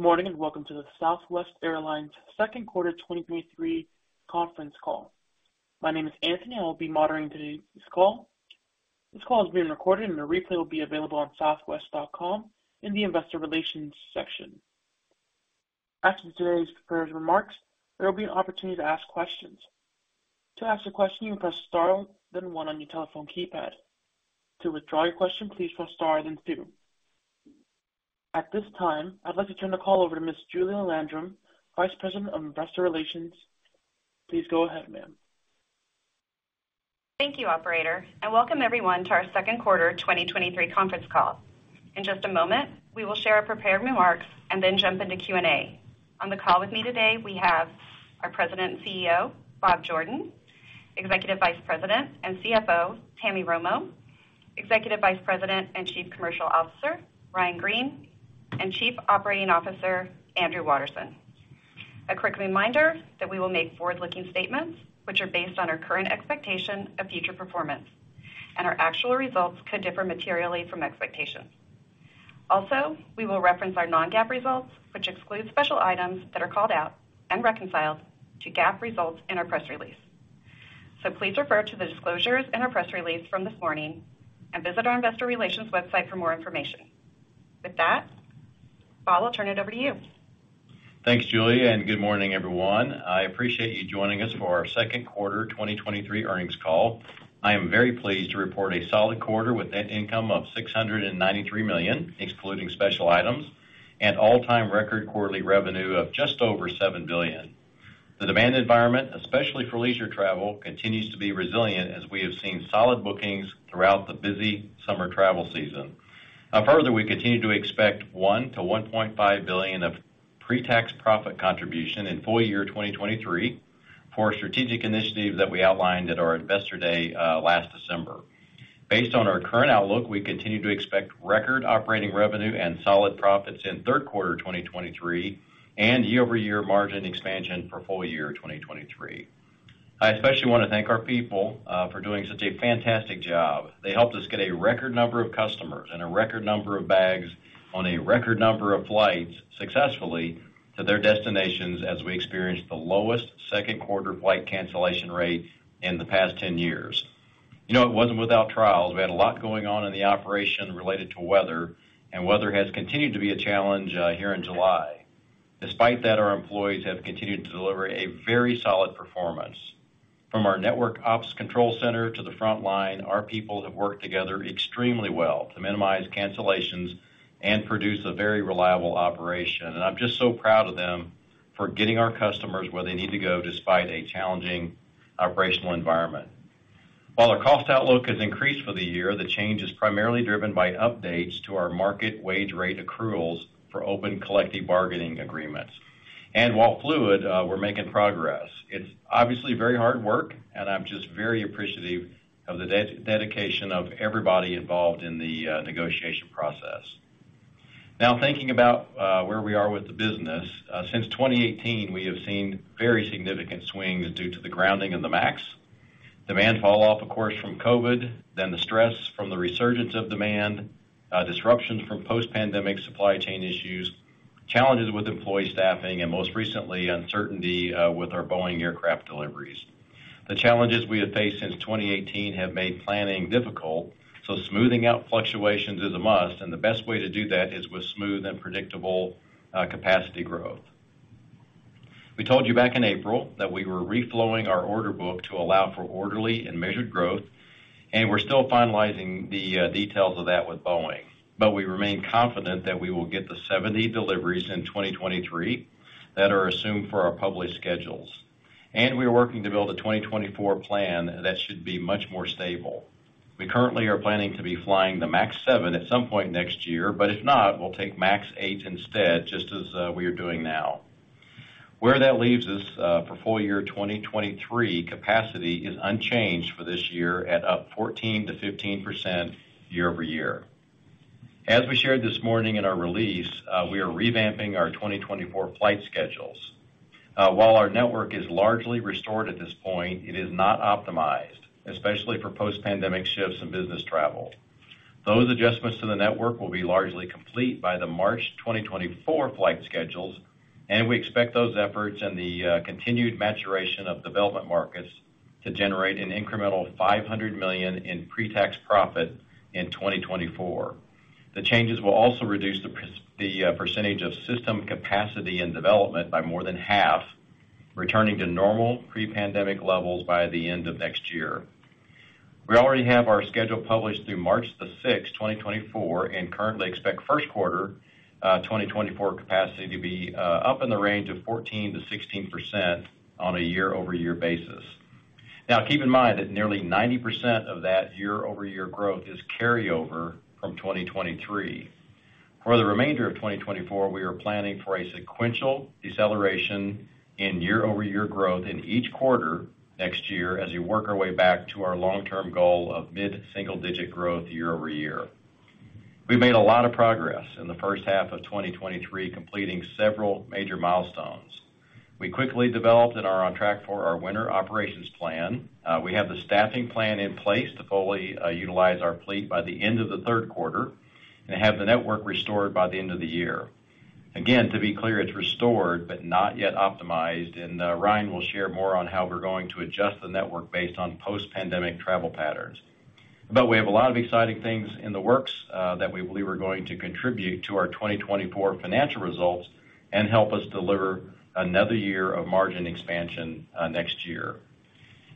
Good morning, welcome to the Southwest Airlines Q2 2023 conference call. My name is Anthony, I will be monitoring today's call. This call is being recorded, and a replay will be available on southwest.com in the Investor Relations section. After today's prepared remarks, there will be an opportunity to ask questions. To ask a question, you press star, then one on your telephone keypad. To withdraw your question, please press star then two. At this time, I'd like to turn the call over to Ms. Julia Landrum, Vice President of Investor Relations. Please go ahead, ma'am. Thank you, operator, and welcome everyone to our Q2 2023 conference call. In just a moment, we will share our prepared remarks and then jump into Q&A. On the call with me today, we have our President and CEO, Bob Jordan, Executive Vice President and CFO, Tammy Romo, Executive Vice President and Chief Commercial Officer, Ryan Green, and Chief Operating Officer, Andrew Watterson. A quick reminder that we will make forward-looking statements which are based on our current expectation of future performance, and our actual results could differ materially from expectations. Also, we will reference our non-GAAP results, which exclude special items that are called out and reconciled to GAAP results in our press release. Please refer to the disclosures in our press release from this morning and visit our investor relations website for more information. With that, Bob, I'll turn it over to you. Thanks, Julie. Good morning, everyone. I appreciate you joining us for our Q2 2023 earnings call. I am very pleased to report a solid quarter with net income of $693 million, excluding special items, and all-time record quarterly revenue of just over $7 billion. The demand environment, especially for leisure travel, continues to be resilient as we have seen solid bookings throughout the busy summer travel season. Further, we continue to expect $1 billion-$1.5 billion of pre-tax profit contribution in full year 2023 for a strategic initiative that we outlined at our Investor Day last December. Based on our current outlook, we continue to expect record operating revenue and solid profits in Q3 2023 and year-over-year margin expansion for full year 2023. I especially wanna thank our people for doing such a fantastic job. They helped us get a record number of customers and a record number of bags on a record number of flights successfully to their destinations as we experienced the lowest Q2 flight cancellation rate in the past 10 years. You know, it wasn't without trials. We had a lot going on in the operation related to weather. Weather has continued to be a challenge here in July. Despite that, our employees have continued to deliver a very solid performance. From our Network Ops Control center to the front line, our people have worked together extremely well to minimize cancellations and produce a very reliable operation. I'm just so proud of them for getting our customers where they need to go despite a challenging operational environment. While our cost outlook has increased for the year, the change is primarily driven by updates to our market wage rate accruals for open collective bargaining agreements. While fluid, we're making progress. It's obviously very hard work, and I'm just very appreciative of the dedication of everybody involved in the negotiation process. Thinking about where we are with the business, since 2018, we have seen very significant swings due to the grounding of the MAX. Demand falloff, of course, from COVID, then the stress from the resurgence of demand, disruptions from post-pandemic supply chain issues, challenges with employee staffing, and most recently, uncertainty with our Boeing aircraft deliveries. The challenges we have faced since 2018 have made planning difficult, smoothing out fluctuations is a must, the best way to do that is with smooth and predictable capacity growth. We told you back in April that we were reflowing our order book to allow for orderly and measured growth, we're still finalizing the details of that with Boeing, we remain confident that we will get the 70 deliveries in 2023 that are assumed for our published schedules. We are working to build a 2024 plan that should be much more stable. We currently are planning to be flying the MAX 7 at some point next year, if not, we'll take MAX 8 instead, just as we are doing now. Where that leaves us, for full year 2023, capacity is unchanged for this year at up 14%-15% year-over-year. As we shared this morning in our release, we are revamping our 2024 flight schedules. While our network is largely restored at this point, it is not optimized, especially for post-pandemic shifts and business travel. Those adjustments to the network will be largely complete by the March 2024 flight schedules, and we expect those efforts and the continued maturation of development markets to generate an incremental $500 million in pre-tax profit in 2024. The changes will also reduce the percentage of system capacity and development by more than half, returning to normal pre-pandemic levels by the end of next year. We already have our schedule published through March 6, 2024, and currently expect Q1 2024 capacity to be up in the range of 14%-16% on a year-over-year basis. Keep in mind that nearly 90% of that year-over-year growth is carryover from 2023. For the remainder of 2024, we are planning for a sequential deceleration in year-over-year growth in each quarter next year, as we work our way back to our long-term goal of mid-single digit growth year-over-year. We've made a lot of progress in the H1 of 2023, completing several major milestones. We quickly developed and are on track for our winter operations plan. We have the staffing plan in place to fully utilize our fleet by the end of the Q3 and have the network restored by the end of the year. To be clear, it's restored but not yet optimized, Ryan will share more on how we're going to adjust the network based on post-pandemic travel patterns. We have a lot of exciting things in the works that we believe are going to contribute to our 2024 financial results and help us deliver another year of margin expansion next year.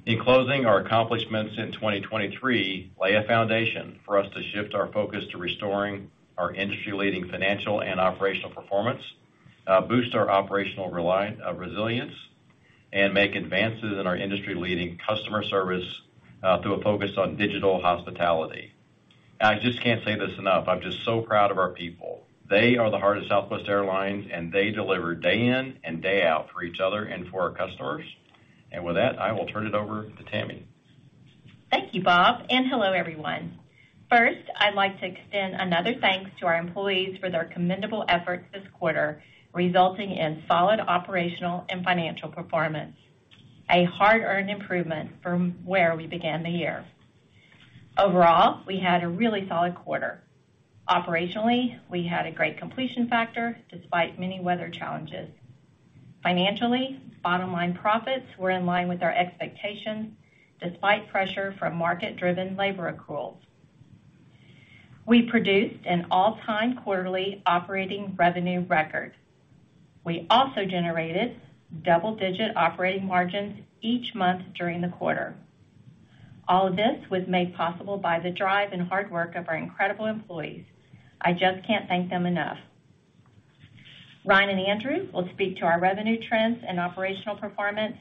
In closing, our accomplishments in 2023 lay a foundation for us to shift our focus to restoring our industry-leading financial and operational performance, boost our operational resilience, and make advances in our industry-leading customer service through a focus on digital hospitality. I just can't say this enough, I'm just so proud of our people. They are the heart of Southwest Airlines, and they deliver day in and day out for each other and for our customers. With that, I will turn it over to Tammy. Thank you, Bob, and hello, everyone. First, I'd like to extend another thanks to our employees for their commendable efforts this quarter, resulting in solid operational and financial performance, a hard-earned improvement from where we began the year. Overall, we had a really solid quarter. Operationally, we had a great completion factor despite many weather challenges. Financially, bottom line profits were in line with our expectations, despite pressure from market-driven labor accruals. We produced an all-time quarterly operating revenue record. We also generated double-digit operating margins each month during the quarter. All of this was made possible by the drive and hard work of our incredible employees. I just can't thank them enough. Ryan and Andrew will speak to our revenue trends and operational performance,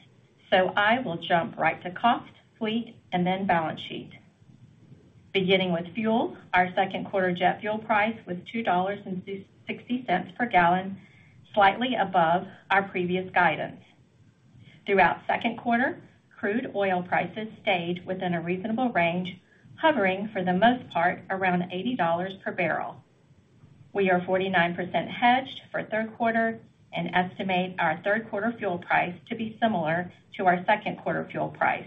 so I will jump right to cost, fleet, and then balance sheet. Beginning with fuel, our Q2 jet fuel price was $2.60 per gallon, slightly above our previous guidance. Throughout Q2, crude oil prices stayed within a reasonable range, hovering for the most part, around $80 per barrel. We are 49% hedged for Q3 and estimate our Q3 fuel price to be similar to our Q2 fuel price.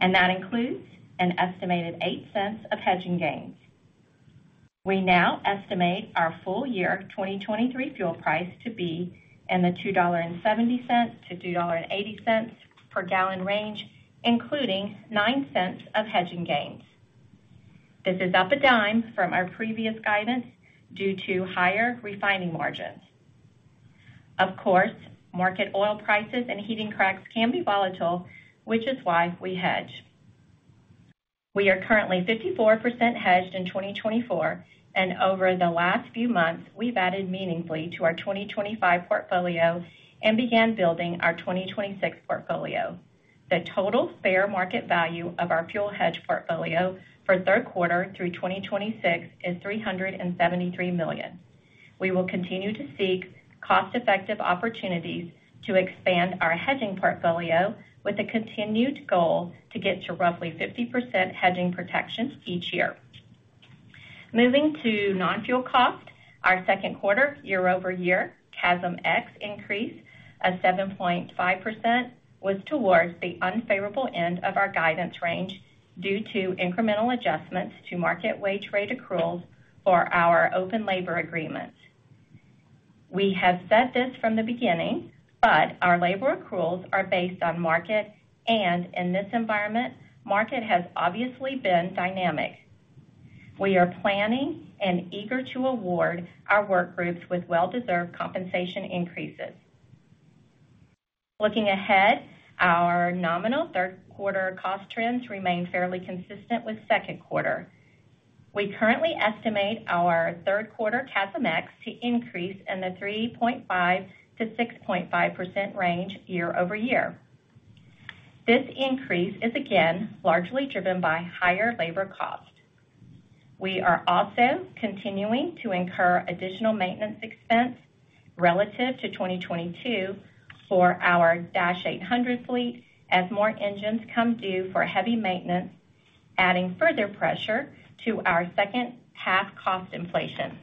That includes an estimated $0.08 of hedging gains. We now estimate our full year 2023 fuel price to be in the $2.70-$2.80 per gallon range, including $0.09 of hedging gains. This is up $0.10 from our previous guidance due to higher refining margins. Of course, market oil prices and heating cracks can be volatile, which is why we hedge. We are currently 54% hedged in 2024. Over the last few months, we've added meaningfully to our 2025 portfolio and began building our 2026 portfolio. The total fair market value of our fuel hedge portfolio for Q3 through 2026 is $373 million. We will continue to seek cost-effective opportunities to expand our hedging portfolio with a continued goal to get to roughly 50% hedging protection each year. Moving to non-fuel cost, our Q2 year-over-year CASM-X increase of 7.5% was towards the unfavorable end of our guidance range due to incremental adjustments to market wage rate accruals for our open labor agreements. We have said this from the beginning, our labor accruals are based on market, and in this environment, market has obviously been dynamic. We are planning and eager to award our work groups with well-deserved compensation increases. Looking ahead, our nominal Q3 cost trends remain fairly consistent with Q2. We currently estimate our Q3 CASM-X to increase in the 3.5%-6.5% range year-over-year. This increase is again, largely driven by higher labor costs. We are also continuing to incur additional maintenance expense relative to 2022 for our Dash 800 fleet as more engines come due for heavy maintenance, adding further pressure to our H2 cost inflation.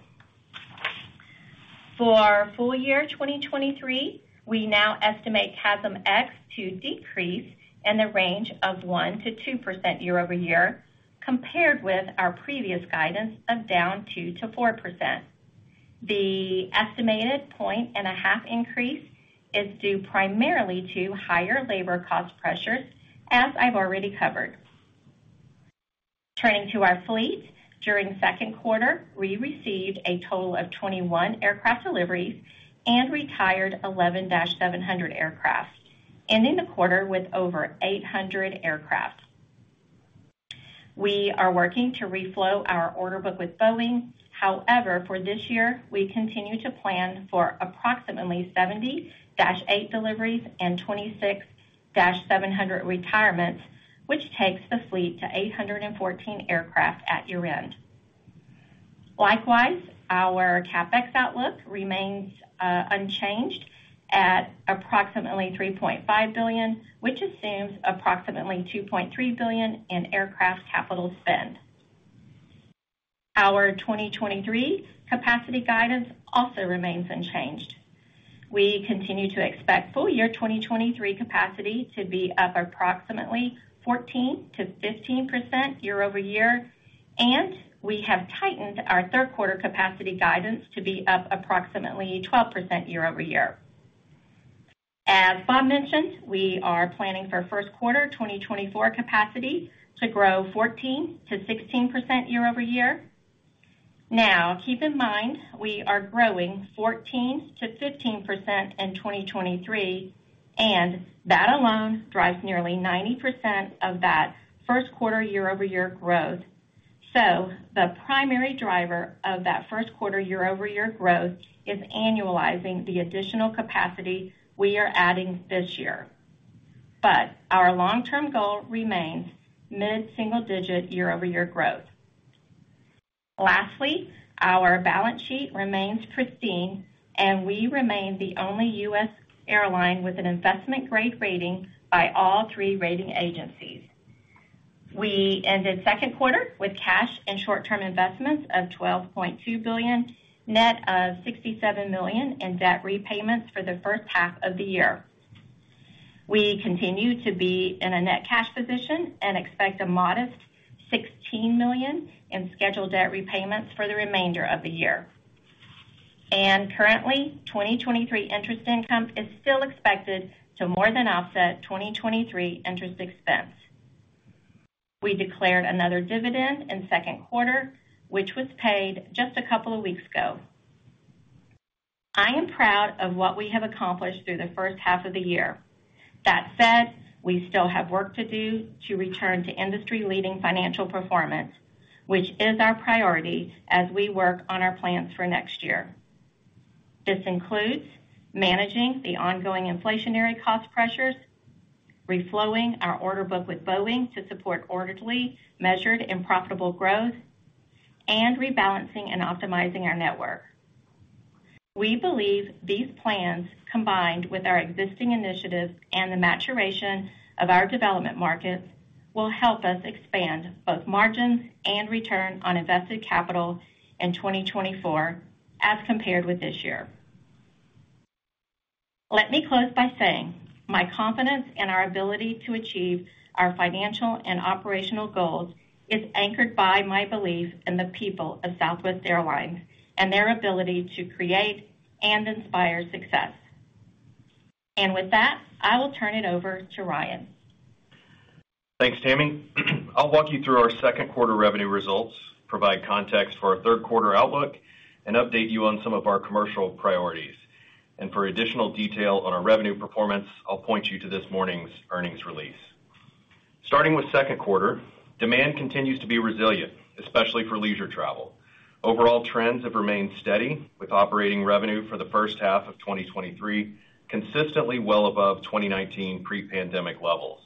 For full year 2023, we now estimate CASM-X to decrease in the range of 1%-2% year-over-year, compared with our previous guidance of down 2%-4%. The estimated point and a half increase is due primarily to higher labor cost pressures, as I've already covered. Turning to our fleet, during Q2, we received a total of 21 aircraft deliveries and retired 11 Dash 700 aircraft, ending the quarter with over 800 aircraft. We are working to reflow our order book with Boeing. However, for this year, we continue to plan for approximately 70 Dash 8 deliveries and 26 Dash 700 retirements, which takes the fleet to 814 aircraft at year-end. Likewise, our CapEx outlook remains unchanged at approximately $3.5 billion, which assumes approximately $2.3 billion in aircraft capital spend. Our 2023 capacity guidance also remains unchanged. We continue to expect full year 2023 capacity to be up approximately 14%-15% year-over-year. We have tightened our Q3 capacity guidance to be up approximately 12% year-over-year. As Bob mentioned, we are planning for Q1 2024 capacity to grow 14%-16% year-over-year. Keep in mind, we are growing 14%-15% in 2023. That alone drives nearly 90% of that Q1 year-over-year growth. The primary driver of that Q1 year-over-year growth is annualizing the additional capacity we are adding this year. Our long-term goal remains mid-single digit year-over-year growth. Lastly, our balance sheet remains pristine, and we remain the only U.S. airline with an investment-grade rating by all three rating agencies. We ended Q2 with cash and short-term investments of $12.2 billion, net of $67 million in debt repayments for the H1 of the year. We continue to be in a net cash position and expect a modest $16 million in scheduled debt repayments for the remainder of the year. Currently, 2023 interest income is still expected to more than offset 2023 interest expense. We declared another dividend in Q2, which was paid just a couple of weeks ago. I am proud of what we have accomplished through the H1 of the year. That said, we still have work to do to return to industry-leading financial performance, which is our priority as we work on our plans for next year. This includes managing the ongoing inflationary cost pressures, reflowing our order book with Boeing to support orderly, measured and profitable growth, and rebalancing and optimizing our network. We believe these plans, combined with our existing initiatives and the maturation of our development markets, will help us expand both margins and return on invested capital in 2024 as compared with this year. Let me close by saying, my confidence in our ability to achieve our financial and operational goals is anchored by my belief in the people of Southwest Airlines and their ability to create and inspire success. With that, I will turn it over to Ryan. Thanks, Tammy. I'll walk you through our Q2 revenue results, provide context for our Q3 outlook, and update you on some of our commercial priorities. For additional detail on our revenue performance, I'll point you to this morning's earnings release. Starting with Q2, demand continues to be resilient, especially for leisure travel. Overall trends have remained steady, with operating revenue for the H1 of 2023, consistently well above 2019 pre-pandemic levels.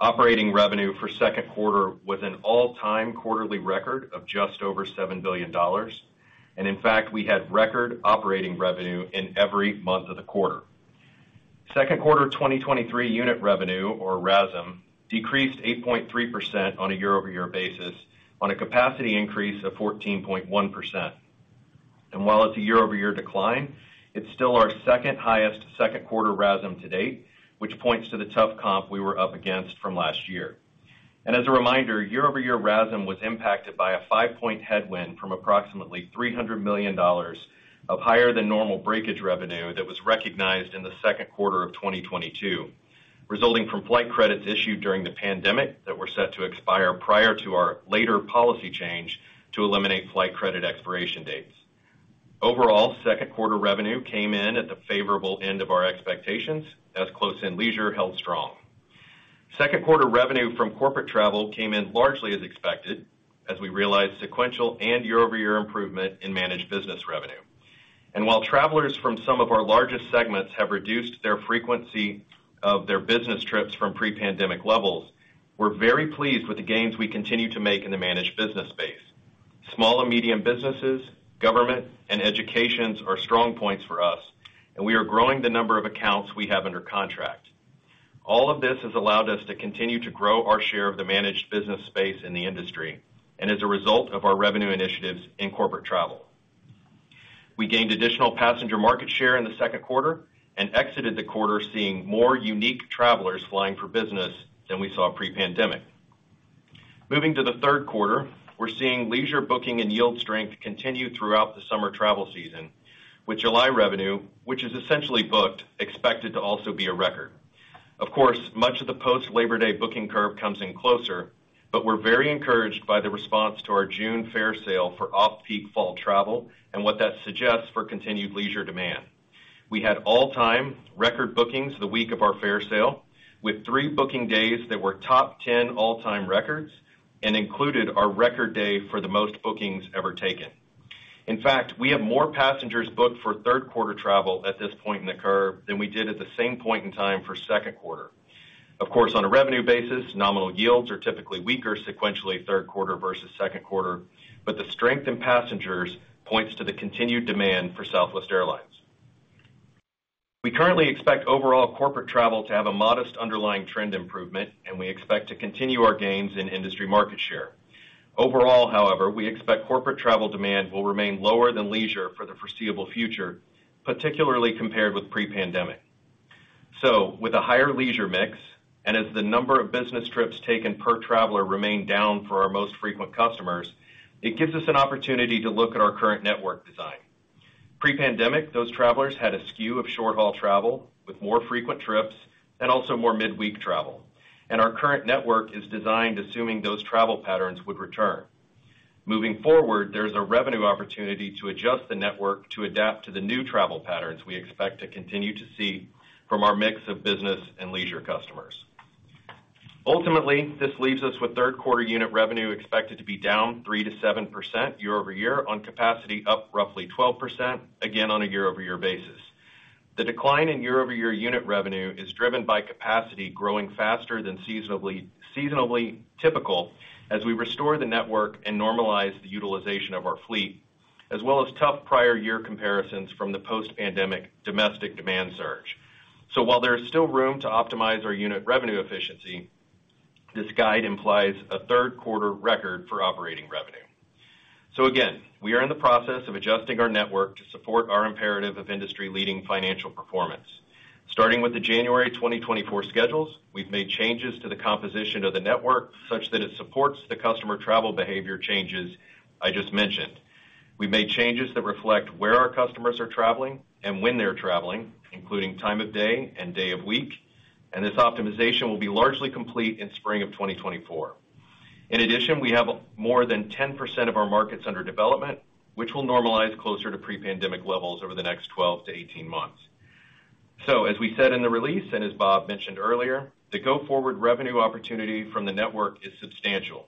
Operating revenue for Q2 was an all-time quarterly record of just over $7 billion. In fact, we had record operating revenue in every month of the quarter. Q2 2023 unit revenue, or RASM, decreased 8.3% on a year-over-year basis on a capacity increase of 14.1%. While it's a year-over-year decline, it's still our second highest Q2 RASM to date, which points to the tough comp we were up against from last year. As a reminder, year-over-year RASM was impacted by a 5-point headwind from approximately $300 million of higher than normal breakage revenue that was recognized in the Q2 of 2022, resulting from flight credits issued during the pandemic that were set to expire prior to our later policy change to eliminate flight credit expiration dates. Q2 revenue came in at the favorable end of our expectations as close in leisure held strong. Q2 revenue from corporate travel came in largely as expected, as we realized sequential and year-over-year improvement in managed business revenue. While travelers from some of our largest segments have reduced their frequency of their business trips from pre-pandemic levels, we're very pleased with the gains we continue to make in the managed business space. Small and medium businesses, government, and educations are strong points for us, and we are growing the number of accounts we have under contract. All of this has allowed us to continue to grow our share of the managed business space in the industry and as a result of our revenue initiatives in corporate travel. We gained additional passenger market share in the Q2 and exited the quarter seeing more unique travelers flying for business than we saw pre-pandemic. Moving to the Q3, we're seeing leisure booking and yield strength continue throughout the summer travel season, with July revenue, which is essentially booked, expected to also be a record. Much of the post-Labor Day booking curve comes in closer, but we're very encouraged by the response to our June fare sale for off-peak fall travel and what that suggests for continued leisure demand. We had all-time record bookings the week of our fare sale, with three booking days that were top 10 all-time records and included our record day for the most bookings ever taken. In fact, we have more passengers booked for 3rd quarter travel at this point in the curve than we did at the same point in time for 2nd quarter. On a revenue basis, nominal yields are typically weaker sequentially, 3rd quarter versus 2nd quarter, but the strength in passengers points to the continued demand for Southwest Airlines.... We currently expect overall corporate travel to have a modest underlying trend improvement, and we expect to continue our gains in industry market share. Overall, however, we expect corporate travel demand will remain lower than leisure for the foreseeable future, particularly compared with pre-pandemic. With a higher leisure mix, and as the number of business trips taken per traveler remain down for our most frequent customers, it gives us an opportunity to look at our current network design. Pre-pandemic, those travelers had a skew of short-haul travel, with more frequent trips and also more midweek travel, and our current network is designed assuming those travel patterns would return. Moving forward, there's a revenue opportunity to adjust the network to adapt to the new travel patterns we expect to continue to see from our mix of business and leisure customers. Ultimately, this leaves us with Q3 unit revenue expected to be down 3%-7% year-over-year on capacity up roughly 12%, again on a year-over-year basis. The decline in year-over-year unit revenue is driven by capacity growing faster than seasonably typical as we restore the network and normalize the utilization of our fleet, as well as tough prior year comparisons from the post-pandemic domestic demand surge. While there is still room to optimize our unit revenue efficiency, this guide implies a Q3 record for operating revenue. Again, we are in the process of adjusting our network to support our imperative of industry-leading financial performance. Starting with the January 2024 schedules, we've made changes to the composition of the network such that it supports the customer travel behavior changes I just mentioned. We've made changes that reflect where our customers are traveling and when they're traveling, including time of day and day of week. This optimization will be largely complete in spring of 2024. In addition, we have more than 10% of our markets under development, which will normalize closer to pre-pandemic levels over the next 12-18 months. As we said in the release, as Bob mentioned earlier, the go-forward revenue opportunity from the network is substantial.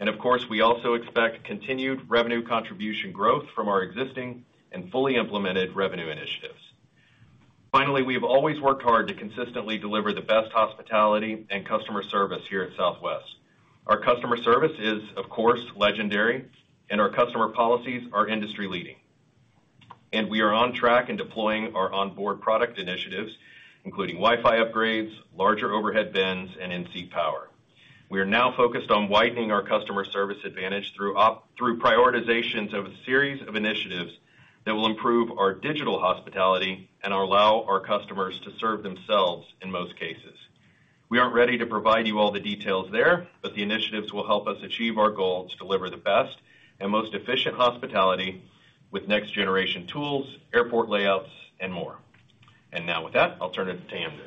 Of course, we also expect continued revenue contribution growth from our existing and fully implemented revenue initiatives. Finally, we have always worked hard to consistently deliver the best hospitality and customer service here at Southwest. Our customer service is, of course, legendary. Our customer policies are industry-leading. We are on track in deploying our onboard product initiatives, including Wi-Fi upgrades, larger overhead bins, and in-seat power. We are now focused on widening our customer service advantage through prioritizations of a series of initiatives that will improve our digital hospitality and allow our customers to serve themselves in most cases. We aren't ready to provide you all the details there, but the initiatives will help us achieve our goal to deliver the best and most efficient hospitality with next-generation tools, airport layouts, and more. Now, with that, I'll turn it t Andrew.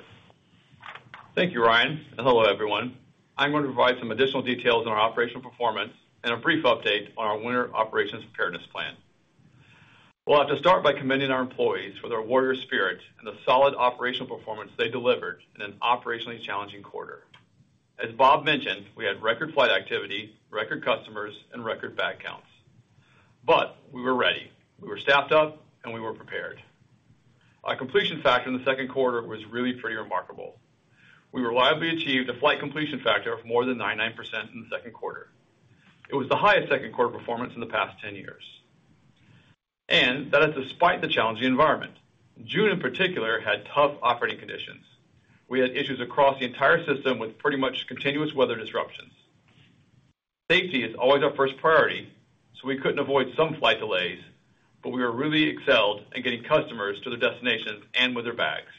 Thank you, Ryan, and hello, everyone. I'm going to provide some additional details on our operational performance and a brief update on our winter operations preparedness plan. We'll have to start by commending our employees for their warrior spirit and the solid operational performance they delivered in an operationally challenging quarter. As Bob mentioned, we had record flight activity, record customers, and record bag counts. We were ready, we were staffed up, and we were prepared. Our completion factor in the Q2 was really pretty remarkable. We reliably achieved a flight completion factor of more than 99% in the Q2. It was the highest Q2 performance in the past 10 years. That is despite the challenging environment. June, in particular, had tough operating conditions. We had issues across the entire system with pretty much continuous weather disruptions. Safety is always our first priority, so we couldn't avoid some flight delays, but we were really excelled in getting customers to their destinations and with their bags.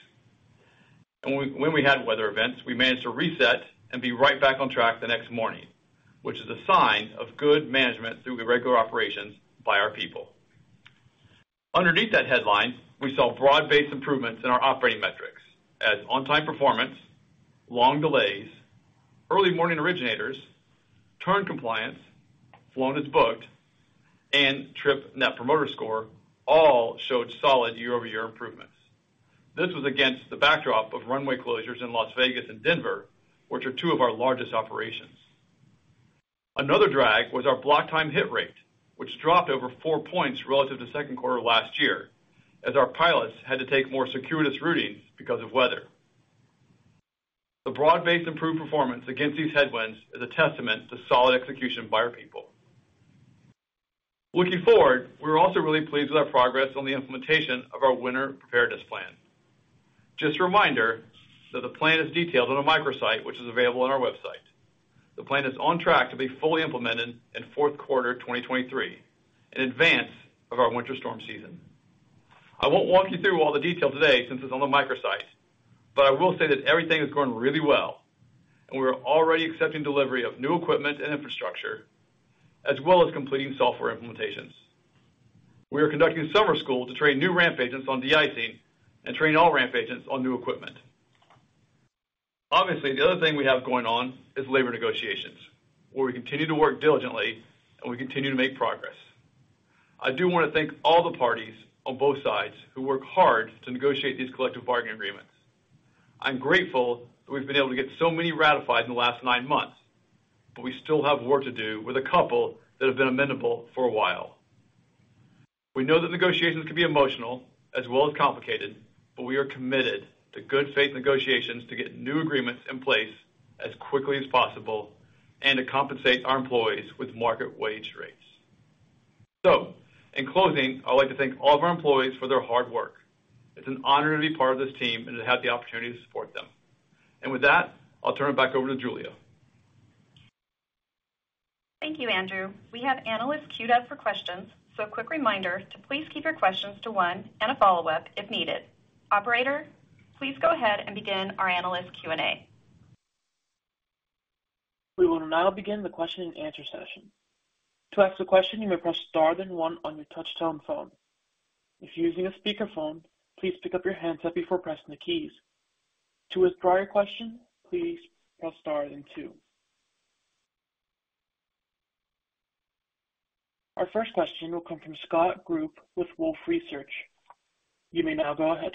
When we had weather events, we managed to reset and be right back on track the next morning, which is a sign of good management through the regular operations by our people. Underneath that headline, we saw broad-based improvements in our operating metrics as on-time performance, long delays, early morning originators, turn compliance, flown as booked, and trip Net Promoter Score all showed solid year-over-year improvements. This was against the backdrop of runway closures in Las Vegas and Denver, which are two of our largest operations. Another drag was our block time hit rate, which dropped over four points relative to Q2 last year, as our pilots had to take more circuitous routings because of weather. The broad-based improved performance against these headwinds is a testament to solid execution by our people. Looking forward, we're also really pleased with our progress on the implementation of our winter preparedness plan. Just a reminder that the plan is detailed on a microsite, which is available on our website. The plan is on track to be fully implemented in Q4 2023, in advance of our winter storm season. I won't walk you through all the detail today since it's on the microsite, but I will say that everything is going really well, and we are already accepting delivery of new equipment and infrastructure, as well as completing software implementations. We are conducting summer school to train new ramp agents on de-icing and train all ramp agents on new equipment. Obviously, the other thing we have going on is labor negotiations, where we continue to work diligently and we continue to make progress. I do want to thank all the parties on both sides who work hard to negotiate these collective bargaining agreements. I'm grateful that we've been able to get so many ratified in the last 9 months, but we still have work to do with a couple that have been amendable for a while. We know that negotiations can be emotional as well as complicated, but we are committed to good faith negotiations to get new agreements in place as quickly as possible and to compensate our employees with market wage rates. In closing, I'd like to thank all of our employees for their hard work. It's an honor to be part of this team and to have the opportunity to support them. With that, I'll turn it back over to Julia. Thank you, Andrew. We have analysts queued up for questions, so a quick reminder to please keep your questions to one and a follow-up if needed. Operator, please go ahead and begin our analyst Q&A. We will now begin the question and answer session. To ask a question, you may press star then one on your touchtone phone. If you're using a speakerphone, please pick up your handset before pressing the keys. To withdraw your question, please press star then two. Our first question will come from Scott Group with Wolfe Research. You may now go ahead.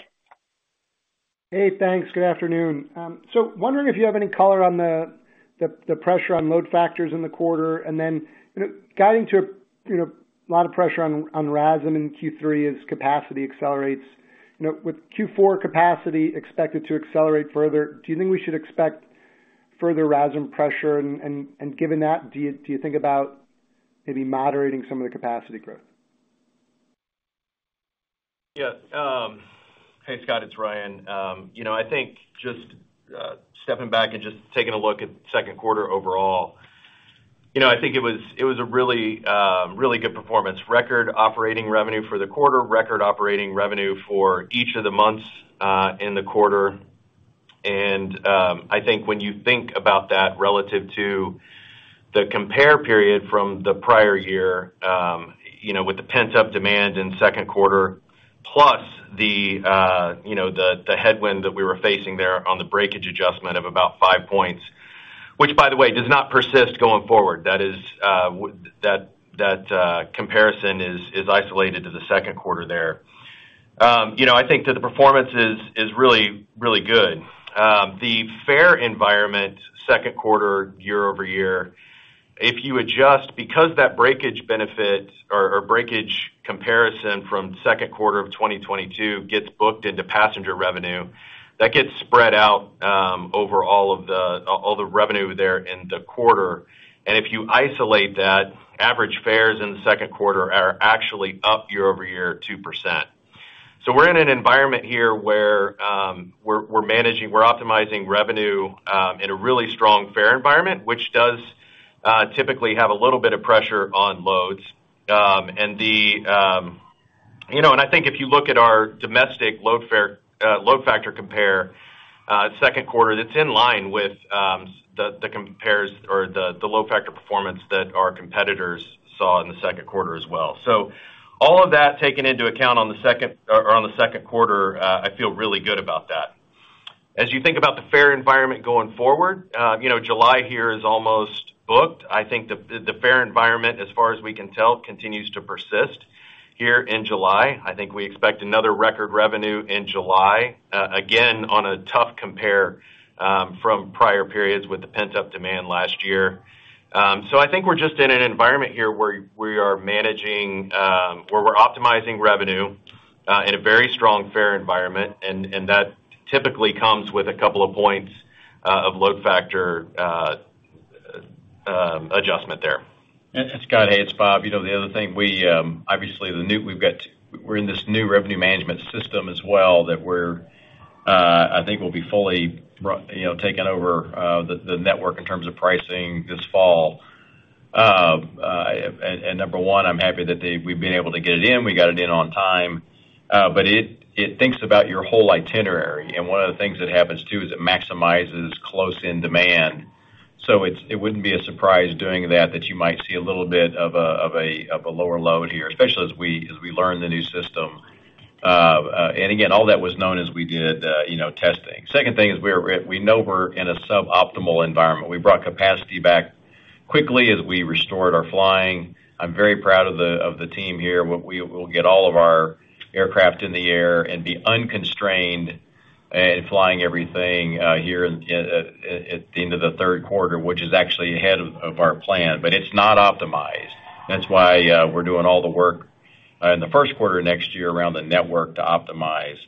Hey, thanks. Good afternoon. Wondering if you have any color on the pressure on load factors in the quarter, and then, you know, guiding to, you know, a lot of pressure on RASM in Q3 as capacity accelerates. You know, with Q4 capacity expected to accelerate further, do you think we should expect further RASM pressure? Given that, do you think about maybe moderating some of the capacity growth? Yes. Hey, Scott, it's Ryan. You know, I think just stepping back and just taking a look at the Q2 overall, you know, I think it was a really, really good performance. Record operating revenue for the quarter, record operating revenue for each of the months in the quarter. I think when you think about that relative to the compare period from the prior year, you know, with the pent-up demand in Q2, plus the, you know, the headwind that we were facing there on the breakage adjustment of about 5 points, which, by the way, does not persist going forward. That is, that comparison is isolated to the Q2 there. You know, I think that the performance is really, really good. The fare environment, Q2, year-over-year, if you adjust, because that breakage benefit or breakage comparison from Q2 of 2022 gets booked into passenger revenue, that gets spread out over all the revenue there in the quarter. If you isolate that, average fares in the Q2 are actually up year-over-year, 2%. We're in an environment here where we're optimizing revenue in a really strong fare environment, which does typically have a little bit of pressure on loads. You know, I think if you lo.k at our domestic load fare, load factor compare, Q2, that's in line with the compares or the load factor performance that our competitors saw in the Q2 as well. All of that taken into account on the Q2, I feel really good about that. As you think about the fare environment going forward, you know, July here is almost booked. I think the fare environment, as far as we can tell, continues to persist here in July. I think we expect another record revenue in July, again, on a tough compare from prior periods with the pent-up demand last year. I think we're just in an environment here where we are managing, where we're optimizing revenue in a very strong fare environment, and that typically comes with a couple of points of load factor adjustment there. Scott, hey, it's Bob. You know, the other thing we obviously, we're in this new revenue management system as well that we're, I think will be fully you know, taking over the network in terms of pricing this fall. Number one, I'm happy that we've been able to get it in. We got it in on time, but it thinks about your whole itinerary, and one of the things that happens, too, is it maximizes close-in demand. It wouldn't be a surprise doing that, that you might see a little bit of a lower load here, especially as we learn the new system. Again, all that was known as we did, you know, testing. Second thing is we know we're in a suboptimal environment. We brought capacity back quickly as we restored our flying. I'm very proud of the team here. We'll get all of our aircraft in the air and be unconstrained at flying everything here in at the end of the Q3, which is actually ahead of our plan, but it's not optimized. That's why we're doing all the work in the Q1 of next year around the network to optimize.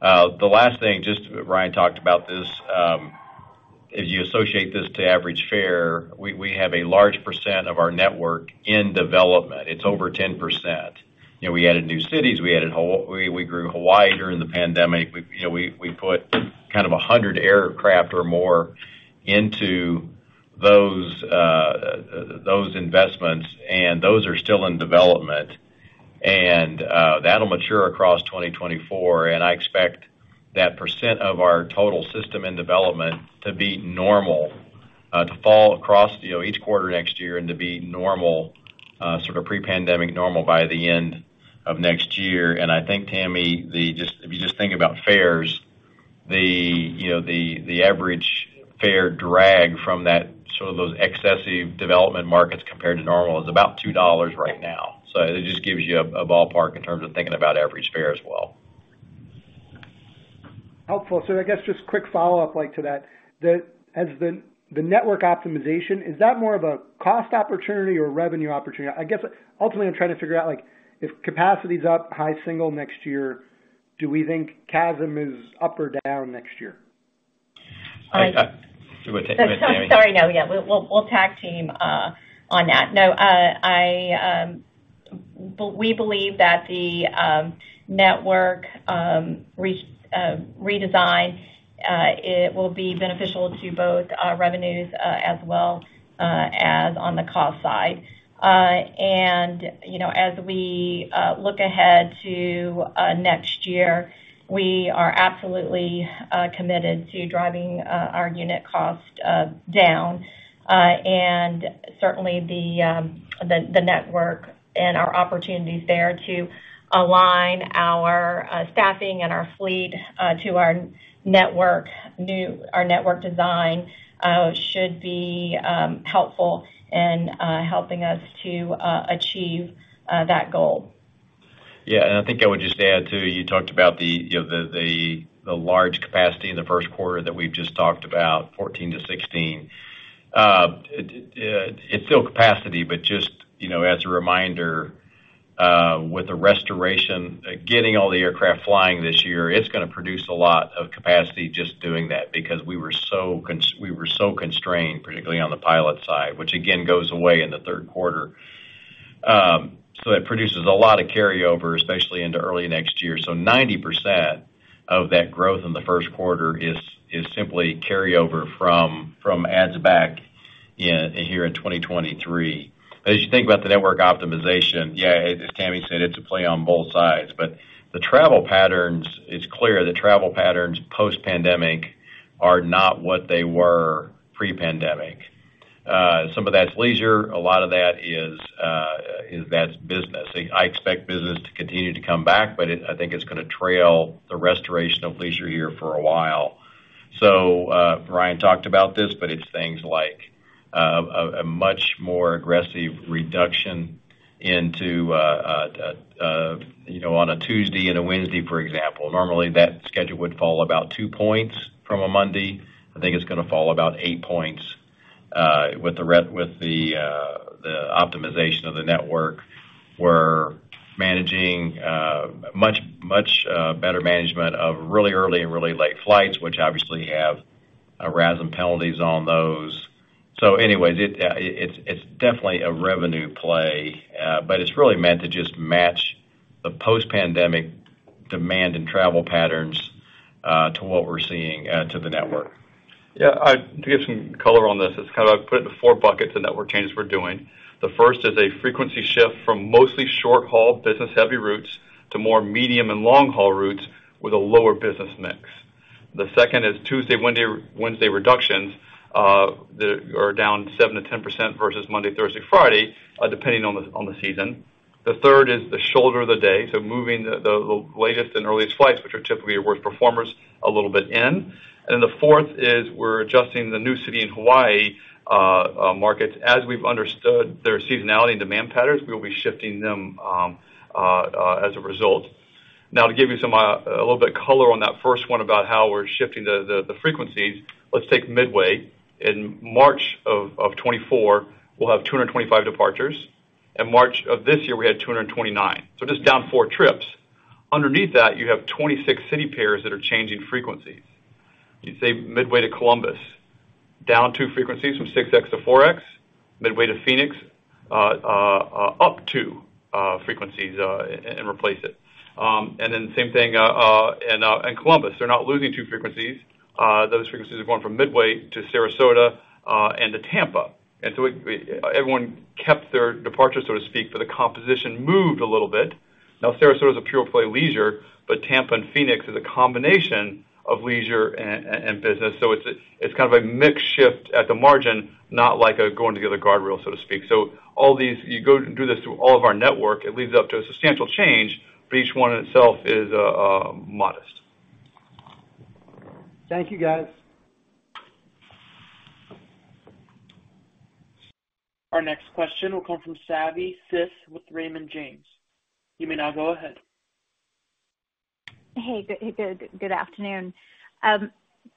The last thing, just Ryan talked about this, as you associate this to average fare, we have a large percent of our network in development. It's over 10%. You know, we added new cities, we added Hawaii, we grew Hawaii during the pandemic. We, you know, we put kind of a 100 aircraft or more into those investments, and those are still in development. That'll mature across 2024, and I expect that percent of our total system in development to be normal, to fall across, you know, each quarter next year and to be normal, sort of pre-pandemic normal by the end of next year. I think, Tammy, the... just if you just think about fares, the, you know, the, the average fare drag from that, sort of those excessive development markets compared to normal is about $2 right now. It just gives you a, a ballpark in terms of thinking about average fare as well. Helpful. I guess just quick follow-up, like, to that. As the network optimization, is that more of a cost opportunity or revenue opportunity? I guess, ultimately, I'm trying to figure out, like, if capacity is up high single next year, do we think CASM is up or down next year? I, go ahead, Tammy. Sorry. No, yeah, we'll, we'll tag team on that. No, I, we believe that the network redesign it will be beneficial to both our revenues as well as on the cost side. You know, as we look ahead to next year, we are absolutely committed to driving our unit cost down, and certainly the, the network and our opportunities there to align our staffing and our fleet to our network design should be helpful in helping us to achieve that goal. Yeah, I think I would just add, too, you talked about the, you know, the large capacity in the Q1 that we've just talked about, 14%-16%. It's still capacity, but just, you know, as a reminder, with the restoration, getting all the aircraft flying this year, it's gonna produce a lot of capacity just doing that because we were so constrained, particularly on the pilot side, which again, goes away in the Q3. So it produces a lot of carryover, especially into early next year. 90% of that growth in the Q1 is simply carryover from adds back here in 2023. As you think about the network optimization, yeah, as Tammy said, it's a play on both sides. The travel patterns, it's clear the travel patterns post-pandemic are not what they were pre-pandemic. some of that's leisure, a lot of that is business. I expect business to continue to come back, but I think it's gonna trail the restoration of leisure here for a while. Ryan talked about this, but it's things like a much more aggressive reduction into, you know, on a Tuesday and a Wednesday, for example. Normally, that schedule would fall about 2 points from a Monday. I think it's gonna fall about 8 points with the optimization of the network. We're managing better management of really early and really late flights, which obviously have a RASM penalties on those. Anyway, it's definitely a revenue play, but it's really meant to just match the post-pandemic demand and travel patterns to what we're seeing to the network. To give some color on this, it's kind of, I put it in 4 buckets, the network changes we're doing. The first is a frequency shift from mostly short-haul, business-heavy routes to more medium and long-haul routes with a lower business mix. The second is Tuesday, Wednesday reductions that are down 7%-10% versus Monday, Thursday, Friday, depending on the season. The third is the shoulder of the day, moving the latest and earliest flights, which are typically your worst performers, a little bit in. The 4th is we're adjusting the new city in Hawaii markets. As we've understood their seasonality and demand patterns, we'll be shifting them as a result. To give you some a little bit of color on that first one about how we're shifting the frequencies, let's take Midway. In March of 2024, we'll have 225 departures. In March of this year, we had 229, just down 4 trips. Underneath that, you have 26 city pairs that are changing frequencies. You'd say Midway to Columbus, down 2 frequencies from 6X to 4X, Midway to Phoenix, up 2 frequencies, and replace it. The same thing in Columbus, they're not losing 2 frequencies. Those frequencies are going from Midway to Sarasota and to Tampa. Everyone kept their departure, so to speak, the composition moved a little bit. Sarasota is a pure play leisure, but Tampa and Phoenix is a combination of leisure and business. It's kind of a mixed shift at the margin, not like a going together guardrail, so to speak. All these, you go do this through all of our network, it leads up to a substantial change, but each one in itself is modest. Thank you, guys. Our next question will come from Savi Syth with Raymond James. You may now go ahead. Hey, good afternoon. Can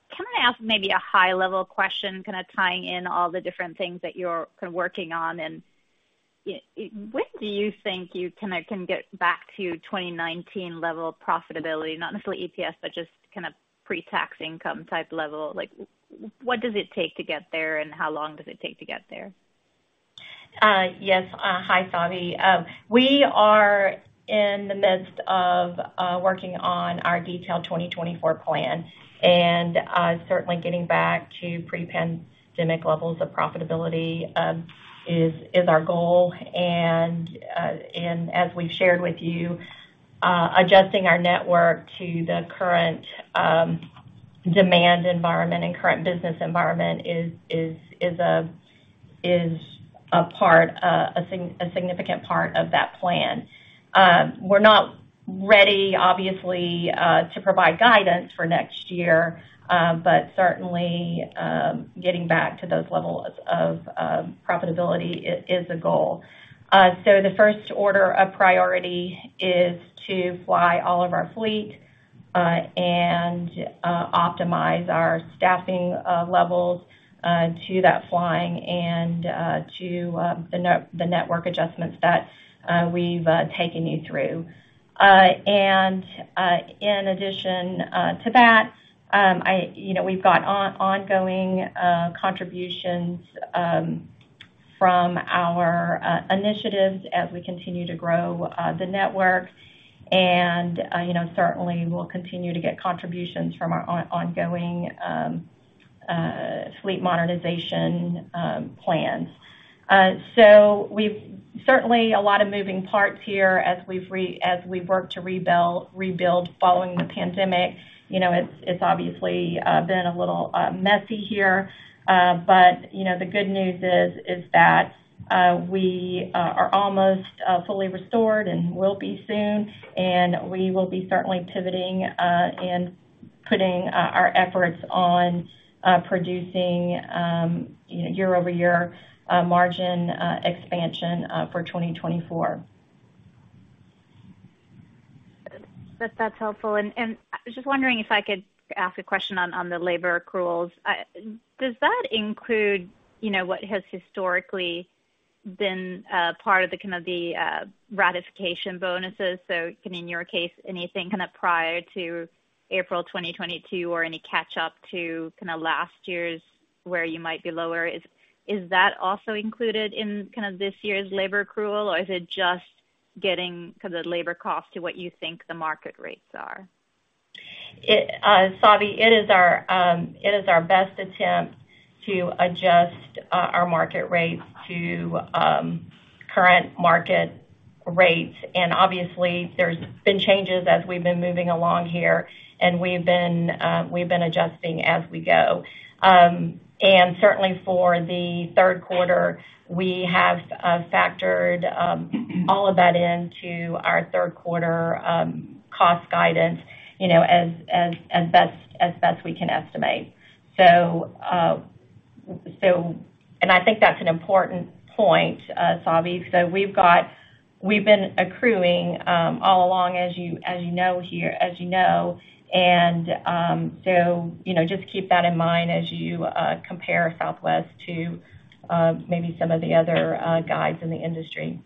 I ask maybe a high-level question, kind of tying in all the different things that you're kind of working on? When do you think you can get back to 2019 level of profitability? Not necessarily EPS, but just kind of pre-tax income type level. What does it take to get there, and how long does it take to get there? Yes. Hi, Savi. We are in the midst of working on our detailed 2024 plan, and certainly getting back to pre-pandemic levels of profitability is our goal. As we've shared with you, adjusting our network to the current demand environment and current business environment is a significant part of that plan. We're not ready, obviously, to provide guidance for next year, but certainly getting back to those levels of profitability is a goal. The first order of priority is to fly all of our fleet, and optimize our staffing levels to that flying and to the network adjustments that we've taken you through. In addition, to that, I, you know, we've got ongoing contributions.... from our initiatives as we continue to grow the network. You know, certainly we'll continue to get contributions from our ongoing fleet modernization plans. We've certainly a lot of moving parts here as we've worked to rebuild following the pandemic. You know, it's obviously been a little messy here. You know, the good news is, is that we are almost fully restored and will be soon, and we will be certainly pivoting and putting our efforts on producing, you know, year-over-year margin expansion for 2024. That's helpful. I was just wondering if I could ask a question on the labor accruals. Does that include, you know, what has historically been part of the kind of the ratification bonuses, in your case, anything kind of prior to April 2022, or any catch up to kinda last year's, where you might be lower? Is that also included in kind of this year's labor accrual, or is it just getting kind of labor costs to what you think the market rates are? It, Savi, it is our best attempt to adjust our market rates to current market rates. Obviously, there's been changes as we've been moving along here, and we've been adjusting as we go. Certainly for the Q3, we have factored all of that into our Q3 cost guidance, you know, as best we can estimate. I think that's an important point, Savi. We've been accruing all along, as you know, you know, just keep that in mind as you compare Southwest to maybe some of the other guides in the industry.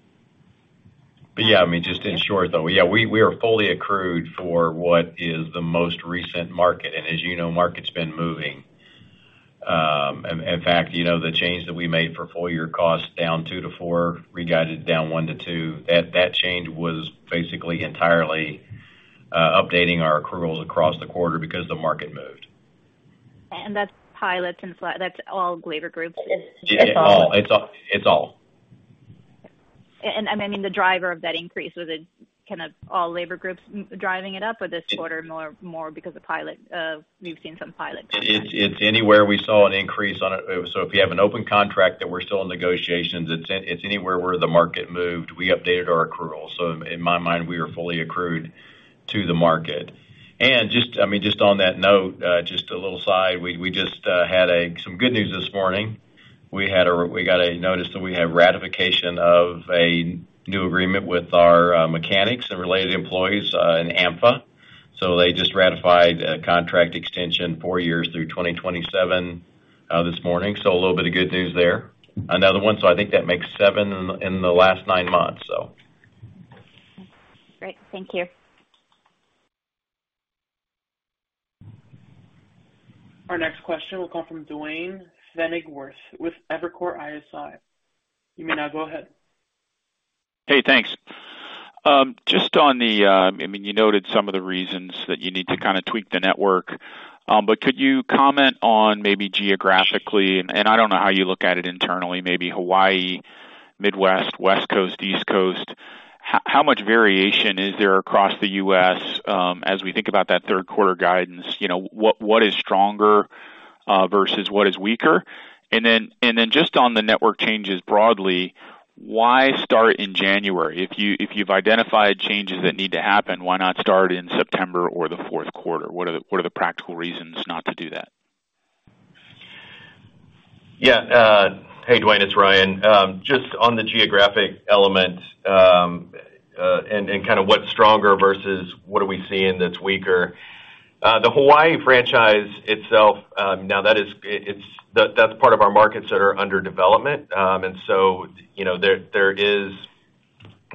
Yeah, I mean, just in short, though, yeah, we are fully accrued for what is the most recent market, and as you know, market's been moving. And in fact, you know, the change that we made for full year costs down 2-4, we guided down 1-2. That change was basically entirely updating our accruals across the quarter because the market moved. That's pilots and that's all labor groups? It's, it's all. It's all. I mean, the driver of that increase, was it kind of all labor groups driving it up, or this quarter more because of pilot? We've seen some pilot trends. It's anywhere we saw an increase on it. If you have an open contract that we're still in negotiations, it's anywhere where the market moved, we updated our accrual. Just, I mean, just on that note, just a little side, we just had some good news this morning. We got a notice that we had ratification of a new agreement with our mechanics and related employees in AMFA. They just ratified a contract extension 4 years through 2027 this morning. A little bit of good news there. Another one, I think that makes 7 in the last 9 months, so. Great. Thank you. Our next question will come from Duane Van Ahem with Evercore ISI. You may now go ahead. Hey, thanks. I mean, you noted some of the reasons that you need to kinda tweak the network, but could you comment on maybe geographically, and I don't know how you look at it internally, maybe Hawaii, Midwest, West Coast, East Coast. How much variation is there across the U.S., as we think about that Q3 guidance? You know, what is stronger versus what is weaker? Then just on the network changes broadly, why start in January? If you've identified changes that need to happen, why not start in September or the Q4? What are the practical reasons not to do that? Yeah. Hey, Duane, it's Ryan. Just on the geographic element, kinda what's stronger versus what are we seeing that's weaker. The Hawaii franchise itself, now that is, that's part of our markets that are under development. You know, there is